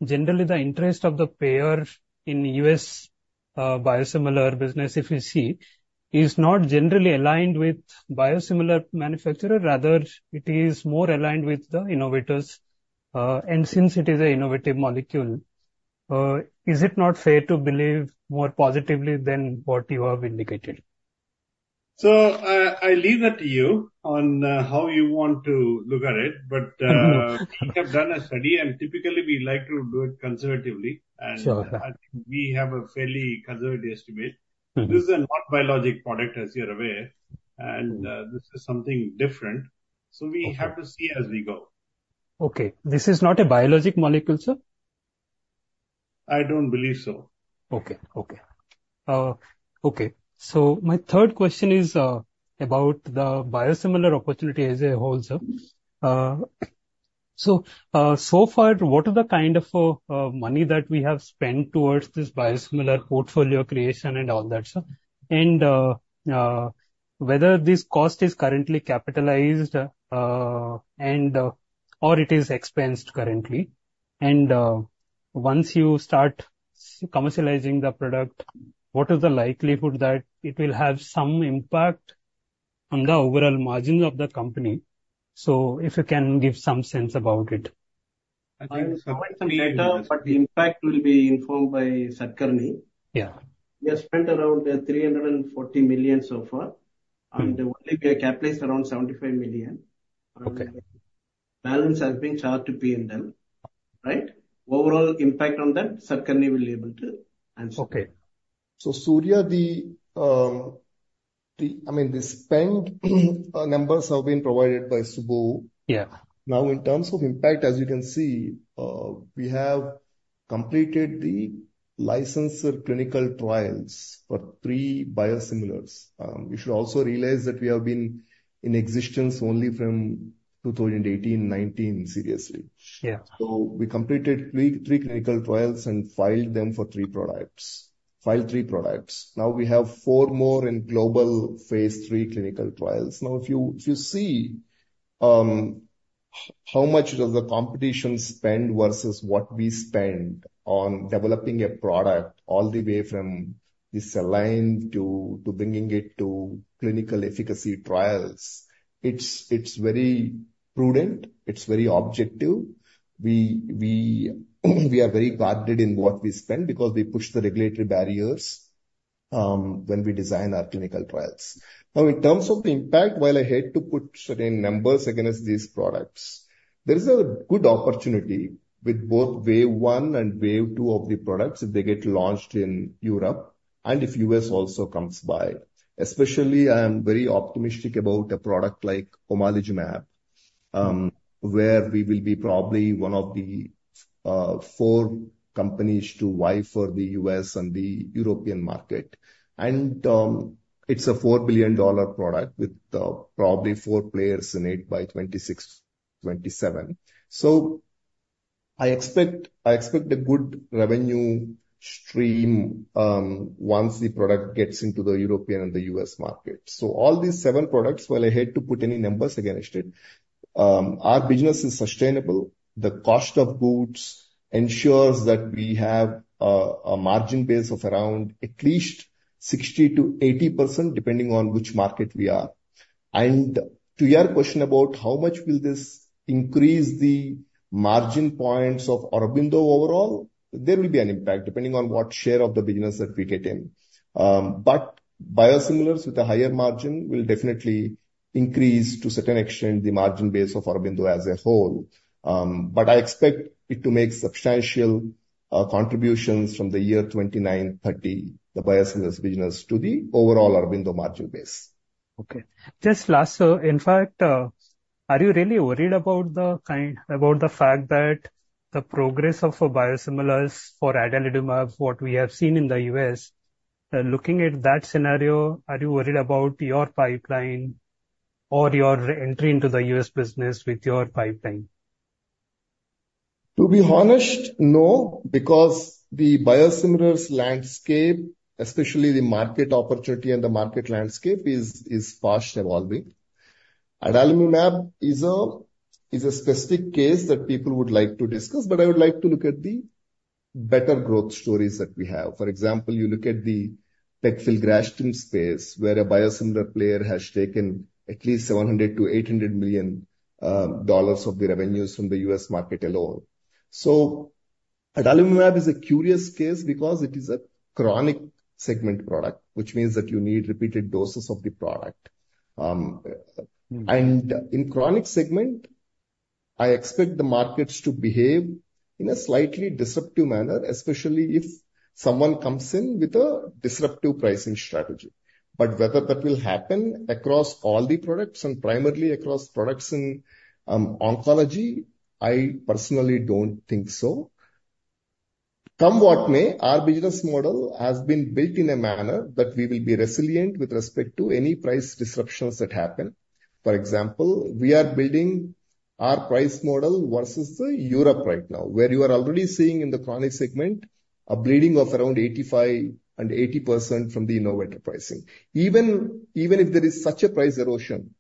generally the interest of the payer in US biosimilar business, if you see, is not generally aligned with biosimilar manufacturer, rather it is more aligned with the innovators. And since it is an innovative molecule, is it not fair to believe more positively than what you have indicated? So, I leave that to you on how you want to look at it. But we have done a study, and typically we like to do it conservatively. Sure. I think we have a fairly conservative estimate. Mm-hmm. This is not a biologic product, as you're aware, and this is something different, so we have to see as we go. Okay. This is not a biologic molecule, sir? I don't believe so. Okay. Okay. Okay, so my third question is about the biosimilar opportunity as a whole, sir. So far, what are the kind of money that we have spent towards this biosimilar portfolio creation and all that, sir? And whether this cost is currently capitalized and or it is expensed currently. And once you start commercializing the product, what is the likelihood that it will have some impact on the overall margins of the company? So if you can give some sense about it. I will comment some later, but the impact will be informed by Satakarni. Yeah. We have spent around $340 million so far, and only we have capitalized around $75 million. Okay. Balance has been charged to PNL, right? Overall impact on that, Satakarni will be able to answer. Okay. Surya, I mean, the spend numbers have been provided by Subbu. Yeah. Now, in terms of impact, as you can see, we have completed the licensed clinical trials for three biosimilars. You should also realize that we have been in existence only from 2018, 2019, seriously. Yeah. So we completed three clinical trials and filed them for three products. Filed three products. Now we have four more in global phase 3 clinical trials. Now, if you, if you see, how much does the competition spend versus what we spend on developing a product all the way from this line to, to bringing it to clinical efficacy trials, it's, it's very prudent, it's very objective. We, we, we are very guarded in what we spend because we push the regulatory barriers, when we design our clinical trials. Now, in terms of the impact, while I hate to put certain numbers against these products, there is a good opportunity with both wave one and wave two of the products if they get launched in Europe and if US also comes by. Especially, I am very optimistic about a product like Omalizumab, where we will be probably one of the four companies to vie for the U.S. and the European market. It's a $4 billion product with probably four players in it by 2026, 2027. So I expect, I expect a good revenue stream once the product gets into the European and the U.S. market. So all these seven products, while I hate to put any numbers against it, our business is sustainable. The cost of goods ensures that we have a margin base of around at least 60%-80%, depending on which market we are. To your question about how much will this increase the margin points of Aurobindo overall, there will be an impact, depending on what share of the business that we get in. But biosimilars with a higher margin will definitely increase, to certain extent, the margin base of Aurobindo as a whole. But I expect it to make substantial contributions from the year 2029, 2030, the biosimilars business to the overall Aurobindo margin base. Okay. Just last, sir, in fact, are you really worried about the kind... about the fact that the progress of biosimilars for adalimumab, what we have seen in the U.S., looking at that scenario, are you worried about your pipeline or your entry into the U.S. business with your pipeline? To be honest, no, because the biosimilars landscape, especially the market opportunity and the market landscape, is fast evolving. Adalimumab is a specific case that people would like to discuss, but I would like to look at the better growth stories that we have. For example, you look at the pegfilgrastim space, where a biosimilar player has taken at least $700 million-$800 million of the revenues from the U.S. market alone. So adalimumab is a curious case because it is a chronic segment product, which means that you need repeated doses of the product. And in chronic segment, I expect the markets to behave in a slightly disruptive manner, especially if someone comes in with a disruptive pricing strategy. But whether that will happen across all the products and primarily across products in oncology, I personally don't think so. Come what may, our business model has been built in a manner that we will be resilient with respect to any price disruptions that happen. For example, we are building our price model versus Europe right now, where you are already seeing in the chronic segment a bleeding of around 85% and 80% from the innovator pricing. Even if there is such a price erosion,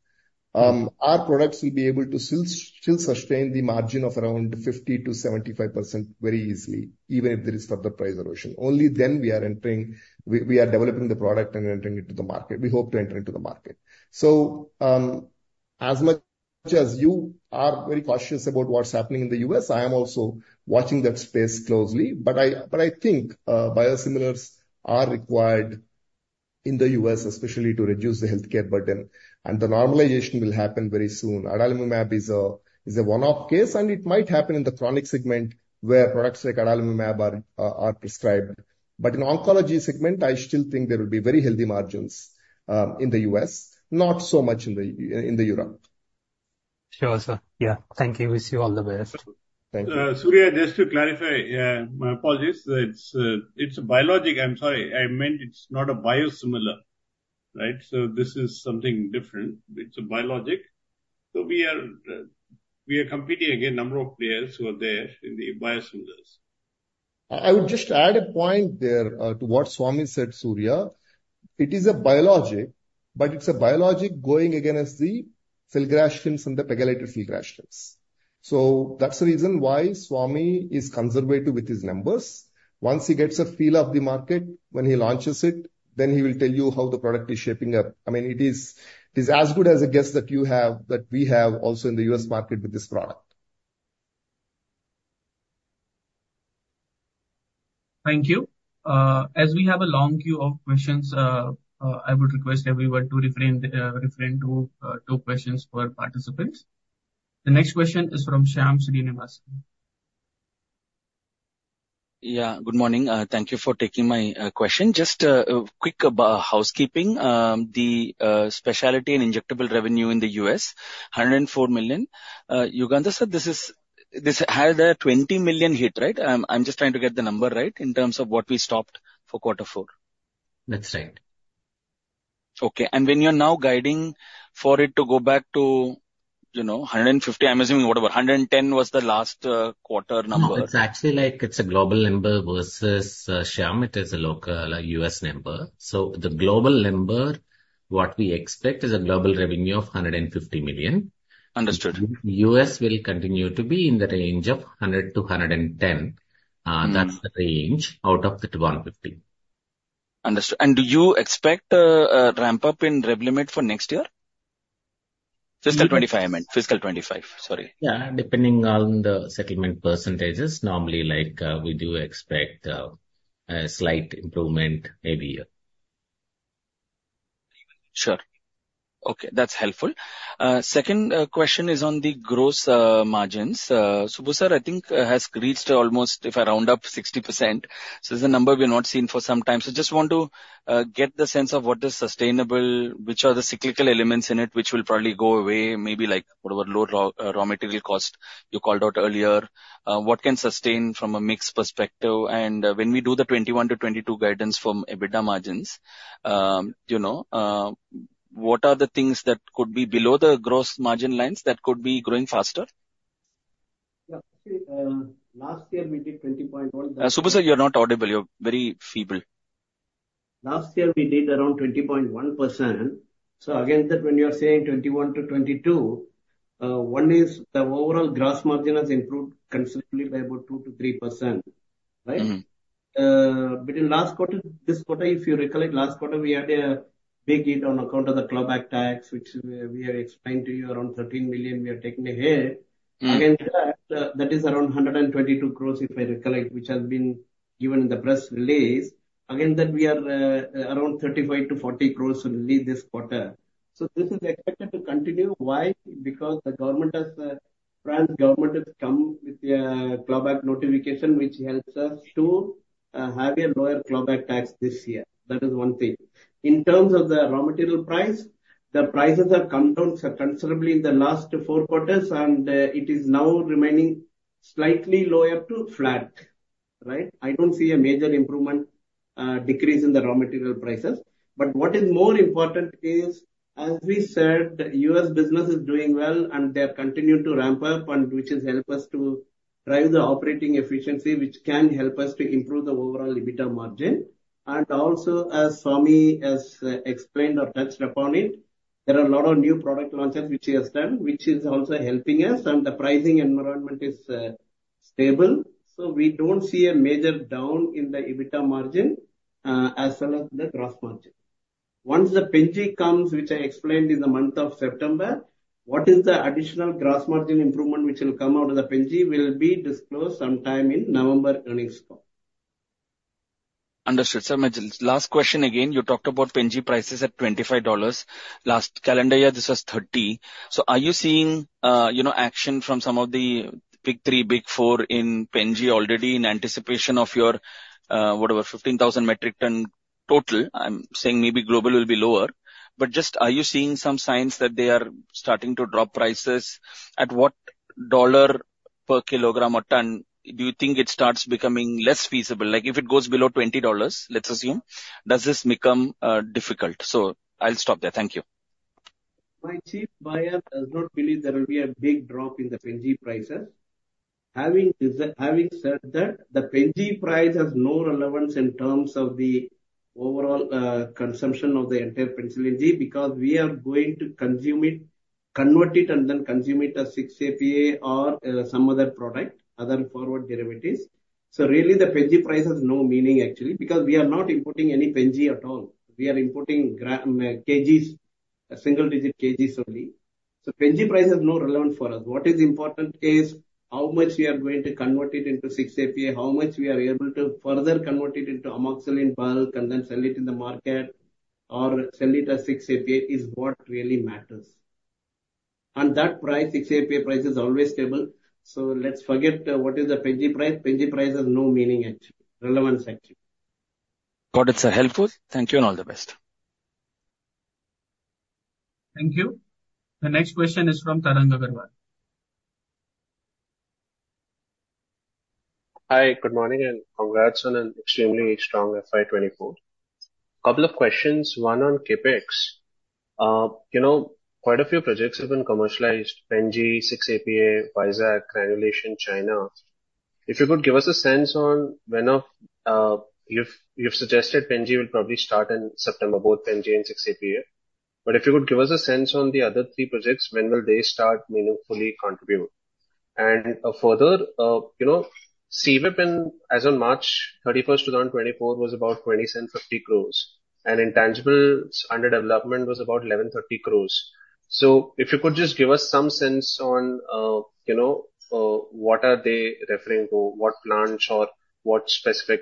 our products will be able to still sustain the margin of around 50%-75% very easily, even if there is further price erosion. Only then we are entering. We are developing the product and entering into the market. We hope to enter into the market. So, as much as you are very cautious about what's happening in the U.S., I am also watching that space closely, but I think biosimilars are required in the U.S. especially to reduce the healthcare burden, and the normalization will happen very soon. Adalimumab is a one-off case, and it might happen in the chronic segment, where products like adalimumab are prescribed. But in oncology segment, I still think there will be very healthy margins in the U.S., not so much in Europe. Sure, sir. Yeah. Thank you. Wish you all the best. Thank you. Surya, just to clarify, my apologies, it's, it's a biologic. I'm sorry. I meant it's not a biosimilar, right? So this is something different. It's a biologic. So we are, we are competing against number of players who are there in the biosimilars. I would just add a point there to what Swami said, Surya. It is a biologic, but it's a biologic going against the filgrastims and the pegylated filgrastims. So that's the reason why Swami is conservative with his numbers. Once he gets a feel of the market, when he launches it, then he will tell you how the product is shaping up. I mean, it is, it is as good as a guess that you have, that we have also in the U.S. market with this product. Thank you. As we have a long queue of questions, I would request everyone to refrain to two questions per participants. The next question is from Shyam Srinivasan. Yeah, good morning. Thank you for taking my question. Just a quick about housekeeping. The specialty and injectable revenue in the US, $104 million. Yugandhar sir, this is-- this had a $20 million hit, right? I'm just trying to get the number right in terms of what we stopped for quarter four. That's right. Okay. And when you're now guiding for it to go back to, you know, 150, I'm assuming whatever, 110 was the last quarter number. No, it's actually like it's a global number versus, Shyam, it is a local US number. So the global number, what we expect, is a global revenue of $150 million. Understood. US will continue to be in the range of $100-$110. That's the range out of the $150. Understood. And do you expect a ramp-up in Revlimid for next year? Fiscal 25, I meant. Fiscal 25, sorry. Yeah, depending on the settlement percentages, normally, like, we do expect a slight improvement every year. Sure. Okay, that's helpful. Second question is on the gross margins. Subbu Sir, I think, has reached almost, if I round up, 60%. So it's a number we've not seen for some time. So just want to get the sense of what is sustainable, which are the cyclical elements in it, which will probably go away, maybe like what about low raw material cost you called out earlier? What can sustain from a mix perspective? And when we do the 21-22 guidance from EBITDA margins, you know, what are the things that could be below the gross margin lines that could be growing faster? Yeah, last year we did 20.1- Subbu Sir, you're not audible. You're very feeble. Last year, we did around 20.1%. So against that, when you are saying 21%-22%, one is the overall gross margin has improved considerably by about 2%-3%, right? Mm-hmm. Between last quarter, this quarter, if you recall, last quarter, we had a big hit on account of the Clawback Tax, which we had explained to you, around 13 million we are taking a hit. Mm-hmm. Again, that, that is around 122 crores, if I recall, which has been given in the press release. Again, that we are around 35-40 crores only this quarter. So this is expected to continue. Why? Because the government has, France government has come with a clawback notification, which helps us to have a lower clawback tax this year. That is one thing. In terms of the raw material price, the prices have come down considerably in the last four quarters, and it is now remaining slightly lower to flat, right? I don't see a major improvement, decrease in the raw material prices. What is more important is, as we said, U.S. business is doing well, and they have continued to ramp up, and which has helped us to drive the operating efficiency, which can help us to improve the overall EBITDA margin. Also, as Swami has explained or touched upon it, there are a lot of new product launches which he has done, which is also helping us, and the pricing environment is stable. So we don't see a major down in the EBITDA margin as well as the gross margin. Once the Pen-G comes, which I explained in the month of September, what is the additional gross margin improvement which will come out of the Pen-G will be disclosed sometime in November earnings call. ...Understood, sir. My last question again, you talked about Pen G prices at $25. Last calendar year, this was $30. So are you seeing, you know, action from some of the big three, big four in Pen G already in anticipation of your, whatever, 15,000 metric ton total? I'm saying maybe global will be lower, but just are you seeing some signs that they are starting to drop prices? At what dollar per kilogram or ton do you think it starts becoming less feasible? Like, if it goes below $20, let's assume, does this become, difficult? So I'll stop there. Thank you. My chief buyer does not believe there will be a big drop in the Pen G prices. Having said that, the Pen G price has no relevance in terms of the overall consumption of the entire penicillin G, because we are going to consume it, convert it, and then consume it as 6-APA or some other product, other forward derivatives. So really, the Pen G price has no meaning actually, because we are not importing any Pen G at all. We are importing grams, KGs, single digit KGs only. So Pen G price has no relevance for us. What is important is how much we are going to convert it into 6-APA, how much we are able to further convert it into amoxicillin bulk and then sell it in the market, or sell it as 6-APA, is what really matters. That price, 6-APA price, is always stable, so let's forget what is the Pen-G price. Pen-G price has no meaning actually, relevance actually. Got it, sir. Helpful. Thank you, and all the best. Thank you. The next question is from Tarang Agrawal. Hi, good morning, and congrats on an extremely strong FY 2024. Couple of questions, one on CapEx. You know, quite a few projects have been commercialized, Pen G, 6-APA, Vizag, granulation, China. If you could give us a sense on when of, you've suggested Pen G will probably start in September, both Pen G and 6-APA. But if you could give us a sense on the other three projects, when will they start, you know, fully contribute? And a further, you know, CWIP in as of March 31, 2024, was about 2,550 crores. And intangibles under development was about 1,130 crores. So if you could just give us some sense on, you know, what are they referring to, what plants or what specific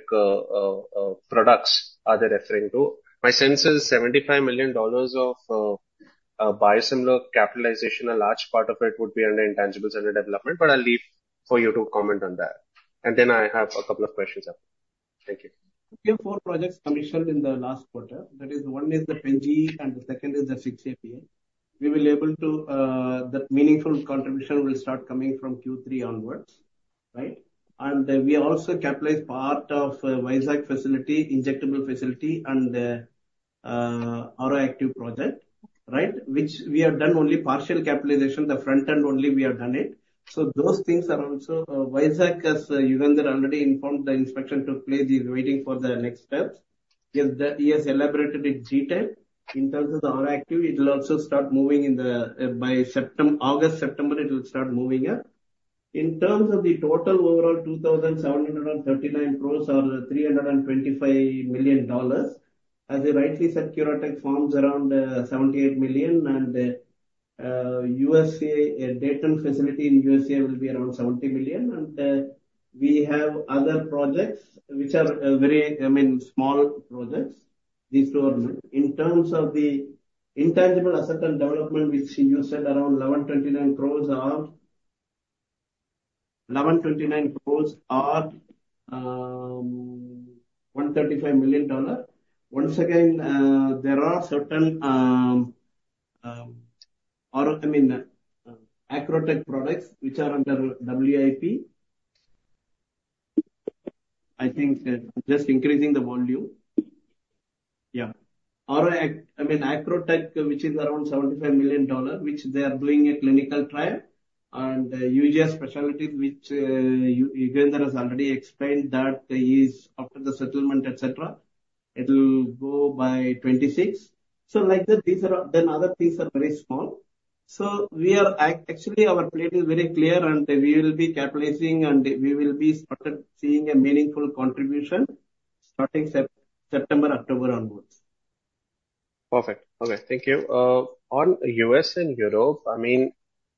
products are they referring to? My sense is $75 million of biosimilar capitalization, a large part of it would be under intangibles under development, but I'll leave for you to comment on that. And then I have a couple of questions after. Thank you. We have four projects commissioned in the last quarter. That is, one is the Pen-G, and the second is the 6-APA. We will able to, the meaningful contribution will start coming from Q3 onwards, right? And we also capitalize part of, Vizag facility, injectable facility, and, AuroActive project, right? Which we have done only partial capitalization, the front end only we have done it. So those things are also, Vizag, as Yugandhar already informed, the inspection took place, is waiting for the next steps. He has elaborated it earlier. In terms of the AuroActive, it will also start moving in the, by August, September, it will start moving up. In terms of the total overall, 2,739 crores or $325 million, as I rightly said, CuraTeQ forms around $78 million, and USA Dayton facility in USA will be around $70 million. And we have other projects which are very, I mean, small projects. These two are... In terms of the intangible asset and development, which you said around 1,129 crores are, 1,129 crores are $135 million. Once again, there are certain or, I mean, Acrotech products which are under WIP. I think they're just increasing the volume. Yeah. Or, I mean, Acrotech, which is around $75 million, which they are doing a clinical trial, and Eugia Specialty, which Yugandhar has already explained, that is after the settlement, et cetera, it will go by 2026. So like that, these are, then other things are very small. So we are actually, our plan is very clear, and we will be capitalizing, and we will be started seeing a meaningful contribution starting September, October onwards. Perfect. Okay, thank you. On US and Europe, I mean,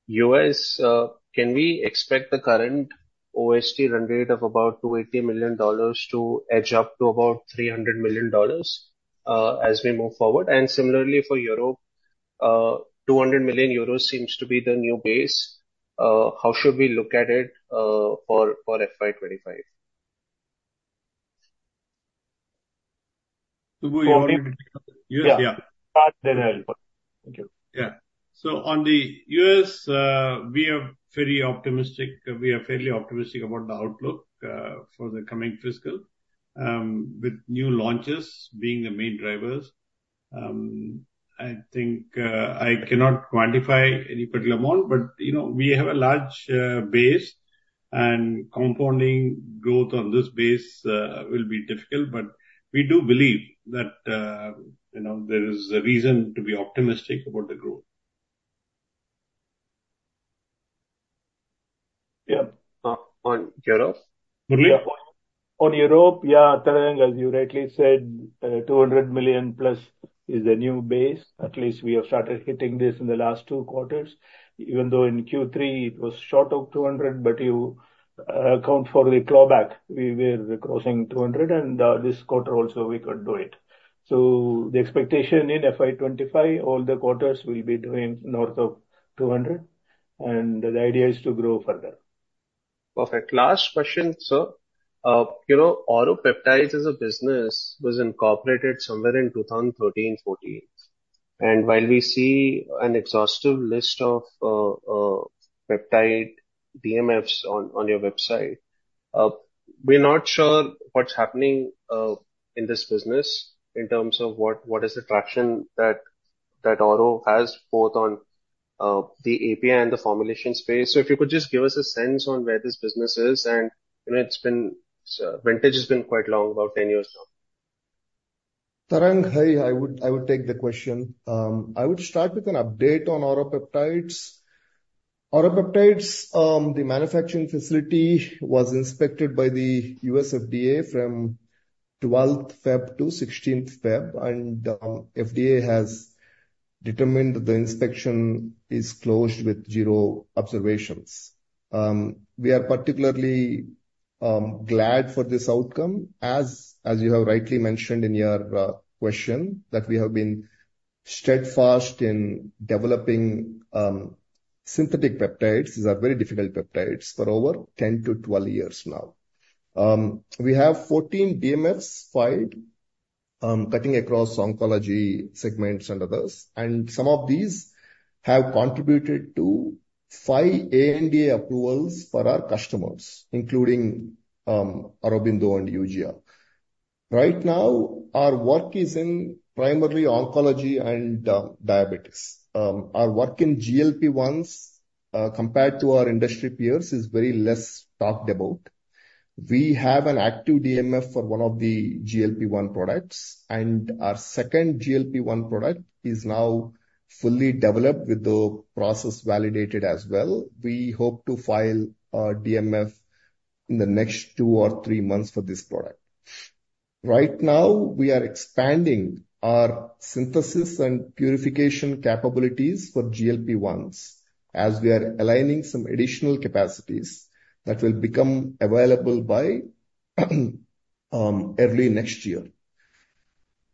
US, can we expect the current OSD run rate of about $280 million to edge up to about $300 million, as we move forward? And similarly for Europe, 200 million euros seems to be the new base. How should we look at it, for FY 2025? Subbu, you want me to- Yeah. Yeah. I'll help. Thank you. Yeah. So on the U.S., we are very optimistic. We are fairly optimistic about the outlook for the coming fiscal with new launches being the main drivers. I think I cannot quantify any particular amount, but you know, we have a large base, and compounding growth on this base will be difficult. But we do believe that you know, there is a reason to be optimistic about the growth.... Yep, on Europe? Pardon me? On Europe, yeah, Tarang, as you rightly said, 200 million plus is the new base. At least we have started hitting this in the last two quarters. Even though in Q3 it was short of 200 million, but you, account for the clawback, we were crossing 200 million, and, this quarter also we could do it. So the expectation in FY 2025, all the quarters will be doing north of 200 million, and the idea is to grow further. Perfect. Last question, sir. You know, AuroPeptides as a business was incorporated somewhere in 2013, 2014, and while we see an exhaustive list of peptide DMFs on your website, we're not sure what's happening in this business in terms of what is the traction that Auro has, both on the API and the formulation space. So if you could just give us a sense on where this business is, and, you know, it's been vintage has been quite long, about 10 years now. Tarang, hi. I would take the question. I would start with an update on AuroPeptides. AuroPeptides, the manufacturing facility was inspected by the U.S. FDA from 12th February to 16th February, and FDA has determined that the inspection is closed with 0 observations. We are particularly glad for this outcome as you have rightly mentioned in your question, that we have been steadfast in developing synthetic peptides, these are very difficult peptides, for over 10 to 12 years now. We have 14 DMFs filed, cutting across oncology segments and others, and some of these have contributed to 5 ANDA approvals for our customers, including Aurobindo and Eugia. Right now, our work is in primarily oncology and diabetes. Our work in GLP-1s, compared to our industry peers, is very less talked about. We have an active DMF for one of the GLP-1 products, and our second GLP-1 product is now fully developed, with the process validated as well. We hope to file a DMF in the next two or three months for this product. Right now, we are expanding our synthesis and purification capabilities for GLP-1s as we are aligning some additional capacities that will become available by early next year.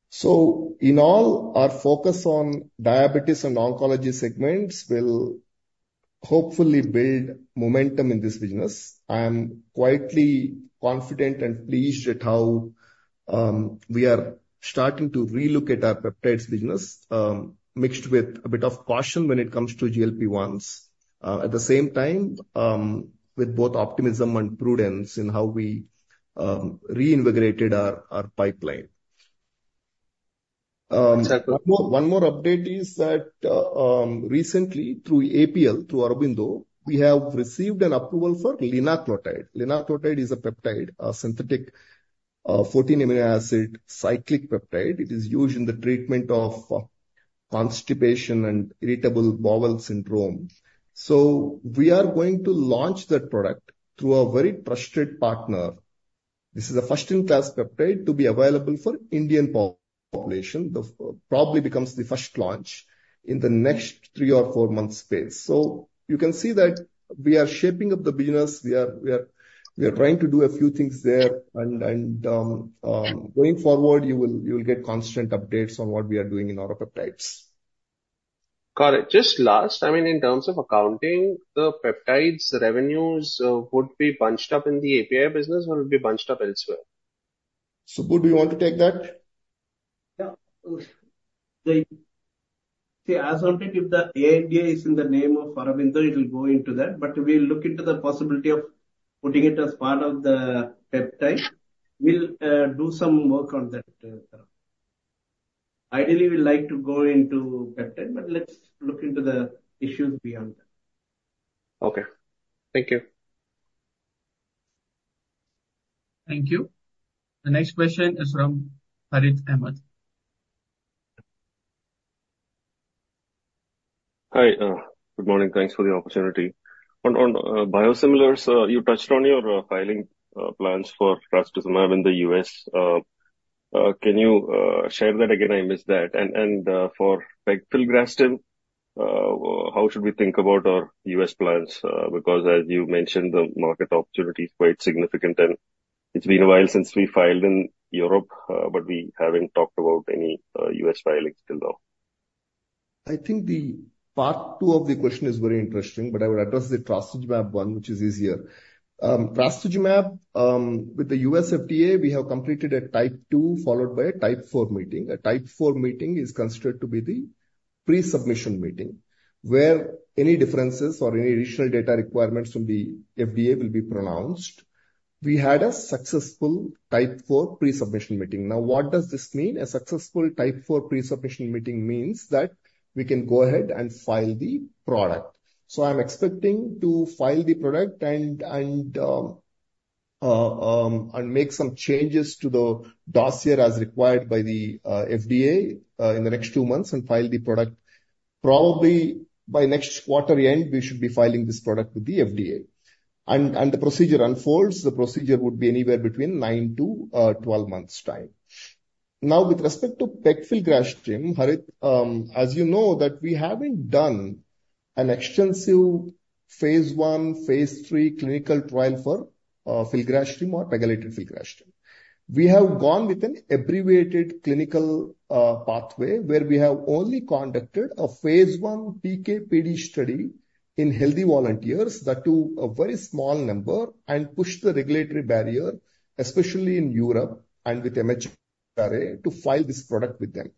So in all, our focus on diabetes and oncology segments will hopefully build momentum in this business. I am quietly confident and pleased at how we are starting to relook at our peptides business, mixed with a bit of caution when it comes to GLP-1s. At the same time, with both optimism and prudence in how we reinvigorated our pipeline. One more update is that recently, through APL, through Aurobindo, we have received an approval for linaclotide. Linaclotide is a peptide, a synthetic 14 amino acid cyclic peptide. It is used in the treatment of constipation and irritable bowel syndrome. So we are going to launch that product through a very trusted partner. This is a first-in-class peptide to be available for Indian population. The probably becomes the first launch in the next three or four months space. So you can see that we are shaping up the business. We are trying to do a few things there. And going forward, you will get constant updates on what we are doing in AuroPeptides. Got it. Just last, I mean, in terms of accounting, the peptides revenues would be bunched up in the API business or would be bunched up elsewhere? Subbu, do you want to take that? Yeah. See, as of it, if the ANDA is in the name of Aurobindo, it will go into that, but we'll look into the possibility of putting it as part of the peptide. We'll do some work on that, Tarang. Ideally, we'd like to go into peptide, but let's look into the issues beyond that. Okay. Thank you. Thank you. The next question is from Harith Ahamed. Hi, good morning. Thanks for the opportunity. On biosimilars, you touched on your filing plans for Trastuzumab in the US. Can you share that again? I missed that. And for Pegfilgrastim, how should we think about our US plans? Because as you mentioned, the market opportunity is quite significant, and it's been a while since we filed in Europe, but we haven't talked about any US filings till now. I think the part two of the question is very interesting, but I will address the Trastuzumab one, which is easier. Trastuzumab with the U.S. FDA, we have completed a Type Two, followed by a Type Four meeting. A Type Four meeting is considered to be the pre-submission meeting, where any differences or any additional data requirements from the FDA will be pronounced. We had a successful Type Four pre-submission meeting. Now, what does this mean? A successful Type Four pre-submission meeting means that we can go ahead and file the product. So I'm expecting to file the product and make some changes to the dossier as required by the FDA in the next two months, and file the product. Probably by next quarter end, we should be filing this product with the FDA. The procedure unfolds, the procedure would be anywhere between 9-12 months' time. Now, with respect to Pegfilgrastim, Harith, as you know, that we haven't done an extensive phase 1, phase 3 clinical trial for Filgrastim or Pegfilgrastim. We have gone with an abbreviated clinical pathway, where we have only conducted a phase 1 PK/PD study in healthy volunteers, that too a very small number, and pushed the regulatory barrier, especially in Europe and with MHRA, to file this product with them.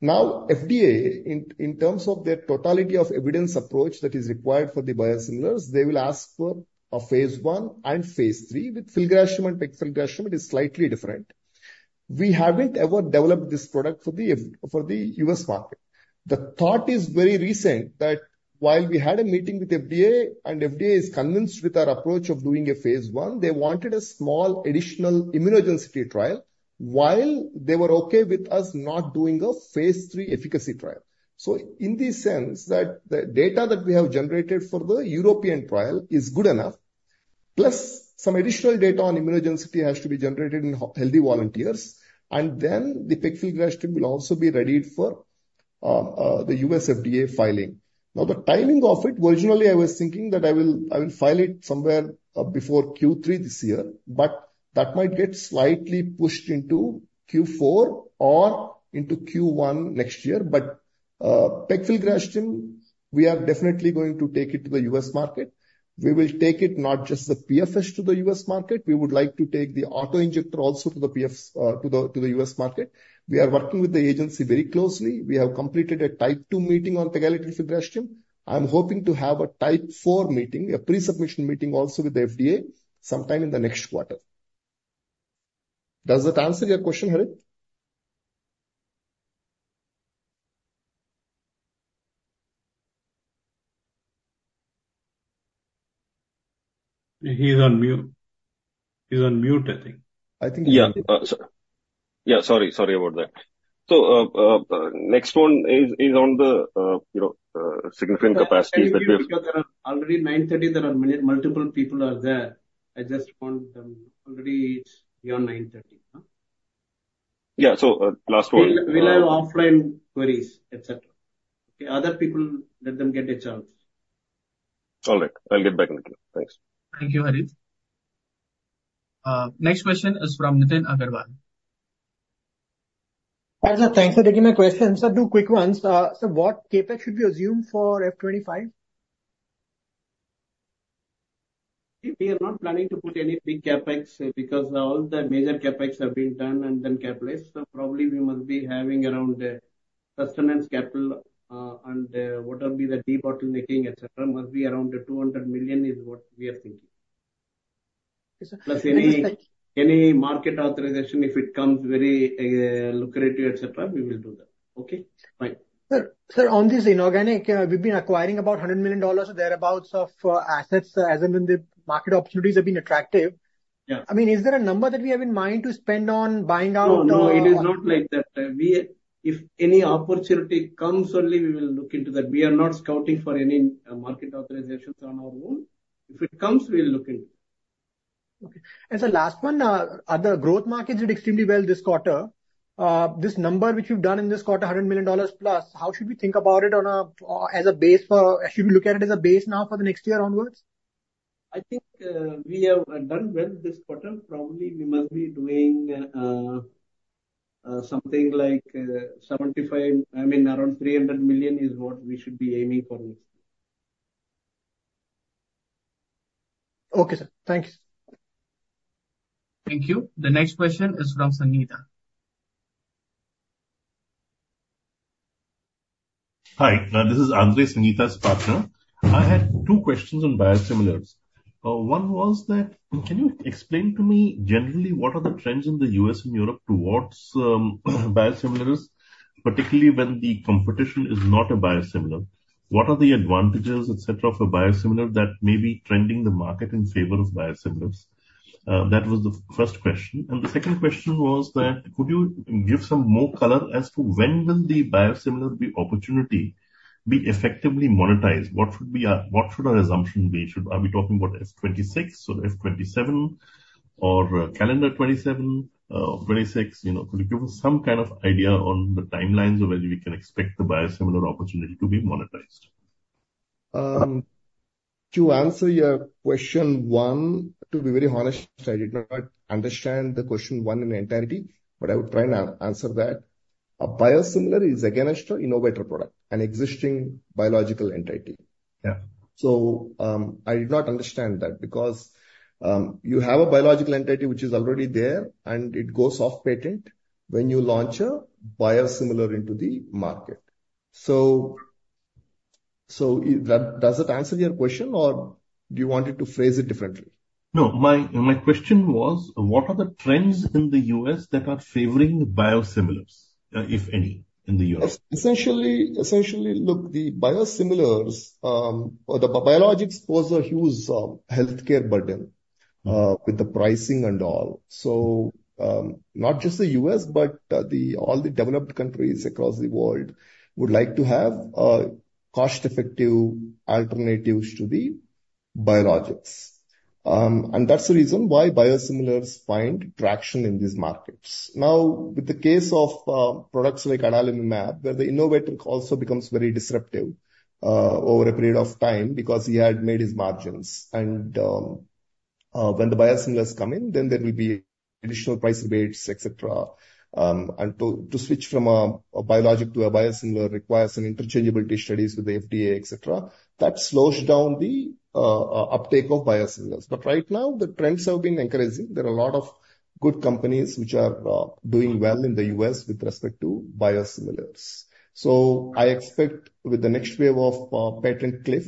Now, FDA, in terms of their totality of evidence approach that is required for the biosimilars, they will ask for a phase 1 and phase 3. With Filgrastim and Pegfilgrastim, it is slightly different. We haven't ever developed this product for the U.S. market. The thought is very recent that while we had a meeting with FDA, and FDA is convinced with our approach of doing a phase one, they wanted a small additional immunogenicity trial while they were okay with us not doing a phase three efficacy trial. So in this sense, that the data that we have generated for the European trial is good enough, plus some additional data on immunogenicity has to be generated in healthy volunteers, and then the Pegfilgrastim will also be readied for the US FDA filing. Now, the timing of it, originally I was thinking that I will file it somewhere before Q3 this year, but that might get slightly pushed into Q4 or into Q1 next year. But, Pegfilgrastim, we are definitely going to take it to the US market. We will take it, not just the PFS, to the US market. We would like to take the auto-injector also to the PF- to the US market. We are working with the agency very closely. We have completed a Type 2 meeting on pegylated filgrastim. I'm hoping to have a Type 4 meeting, a pre-submission meeting also with the FDA, sometime in the next quarter. Does that answer your question, Harith? He's on mute. He's on mute, I think. I think- Yeah. Yeah, sorry. Sorry about that. So, next one is on the, you know, significant capacities that- Already 9:30 A.M., there are many, multiple people are there. I just want... Already it's beyond 9:30 A.M., huh? Yeah. So, last one. We'll have offline queries, et cetera. Okay, other people, let them get a chance. All right. I'll get back with you. Thanks. Thank you, Harith. Next question is from Nithin Agarwal. Hi, sir. Thanks for taking my question. Sir, two quick ones. Sir, what CapEx should we assume for F 25? We are not planning to put any big CapEx, because all the major CapEx have been done and then capitalized. So probably we must be having around a sustenance capital, what would be the debottlenecking, et cetera, must be around 200 million, is what we are thinking. Yes, sir. Plus any- Thank you. Any market authorization, if it comes very lucrative, et cetera, we will do that. Okay? Bye. Sir, sir, on this inorganic, we've been acquiring about $100 million or thereabouts of assets, as and when the market opportunities have been attractive. Yeah. I mean, is there a number that we have in mind to spend on buying out? No, no, it is not like that. If any opportunity comes only, we will look into that. We are not scouting for any market authorizations on our own. If it comes, we'll look into it. Okay. Sir, last one, other growth markets did extremely well this quarter. This number which you've done in this quarter, $100 million plus, how should we think about it on a, as a base for... Should we look at it as a base now for the next year onwards? I think, we have done well this quarter. Probably we must be doing something like 75, I mean, around $300 million is what we should be aiming for next. Okay, sir. Thank you. Thank you. The next question is from Sangeeta. Hi. This is Andre, Sangeeta's partner. I had two questions on biosimilars. One was that, can you explain to me generally what are the trends in the U.S. and Europe towards biosimilars, particularly when the competition is not a biosimilar? What are the advantages, et cetera, of a biosimilar that may be trending the market in favor of biosimilars? That was the first question. And the second question was that, could you give some more color as to when will the biosimilar be opportunity, be effectively monetized? What should be a, what should our assumption be? Should, are we talking about F 2026 or F 2027 or calendar 2027, 2026? You know, could you give us some kind of idea on the timelines of when we can expect the biosimilar opportunity to be monetized? To answer your question one, to be very honest, I did not understand the question one in entirety, but I will try and answer that. A biosimilar is against an innovator product, an existing biological entity. Yeah. So, I did not understand that, because you have a biological entity which is already there, and it goes off patent when you launch a biosimilar into the market. So, does that answer your question, or do you want me to phrase it differently? No, my, my question was, what are the trends in the US that are favoring biosimilars, if any, in the US? Essentially, look, the biosimilars or the biologics was a huge healthcare burden with the pricing and all. So, not just the US, but all the developed countries across the world would like to have cost-effective alternatives to the biologics. And that's the reason why biosimilars find traction in these markets. Now, with the case of products like adalimumab, where the innovator also becomes very disruptive over a period of time because he had made his margins. And when the biosimilars come in, then there will be additional price debates, et cetera. And to switch from a biologic to a biosimilar requires some interchangeability studies with the FDA, et cetera. That slows down the uptake of biosimilars. But right now, the trends have been encouraging. There are a lot of good companies which are doing well in the U.S. with respect to biosimilars. So I expect with the next wave of patent cliff,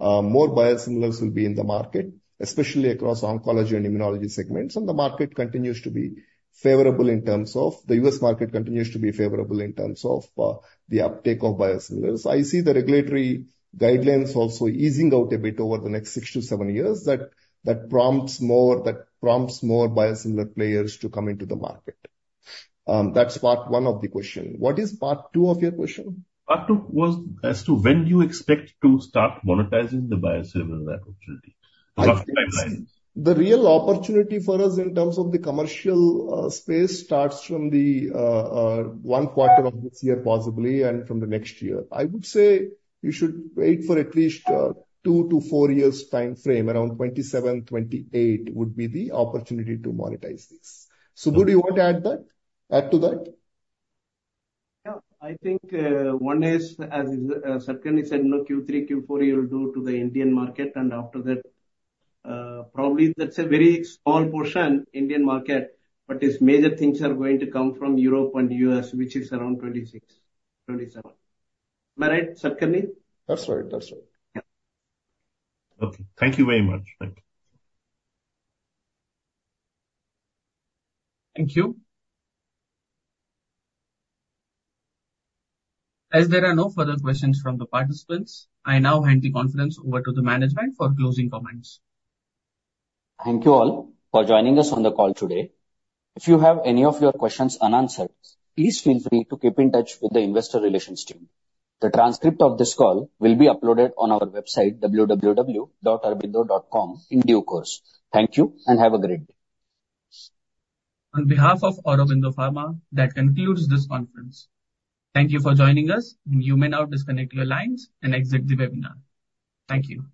more biosimilars will be in the market, especially across oncology and immunology segments. And the market continues to be favorable in terms of... the U.S. market continues to be favorable in terms of the uptake of biosimilars. I see the regulatory guidelines also easing out a bit over the next 6-7 years, that, that prompts more, that prompts more biosimilar players to come into the market. That's part one of the question. What is part two of your question? Part two was as to when do you expect to start monetizing the biosimilar opportunity? Rough timeline. The real opportunity for us in terms of the commercial space starts from the 1 quarter of this year, possibly, and from the next year. I would say you should wait for at least 2-4 years time frame. Around 2027, 2028 would be the opportunity to monetize this. Subbu, do you want to add that, add to that? Yeah. I think one is, as Satya said, you know, Q3, Q4 you'll do to the Indian market, and after that, probably that's a very small portion, Indian market, but its major things are going to come from Europe and US, which is around 2026, 2027. Am I right, Satya? That's right. That's right. Yeah. Okay. Thank you very much. Thank you. Thank you. As there are no further questions from the participants, I now hand the conference over to the management for closing comments. Thank you all for joining us on the call today. If you have any of your questions unanswered, please feel free to keep in touch with the investor relations team. The transcript of this call will be uploaded on our website, www.aurobindo.com, in due course. Thank you, and have a great day. On behalf of Aurobindo Pharma, that concludes this conference. Thank you for joining us, and you may now disconnect your lines and exit the webinar. Thank you.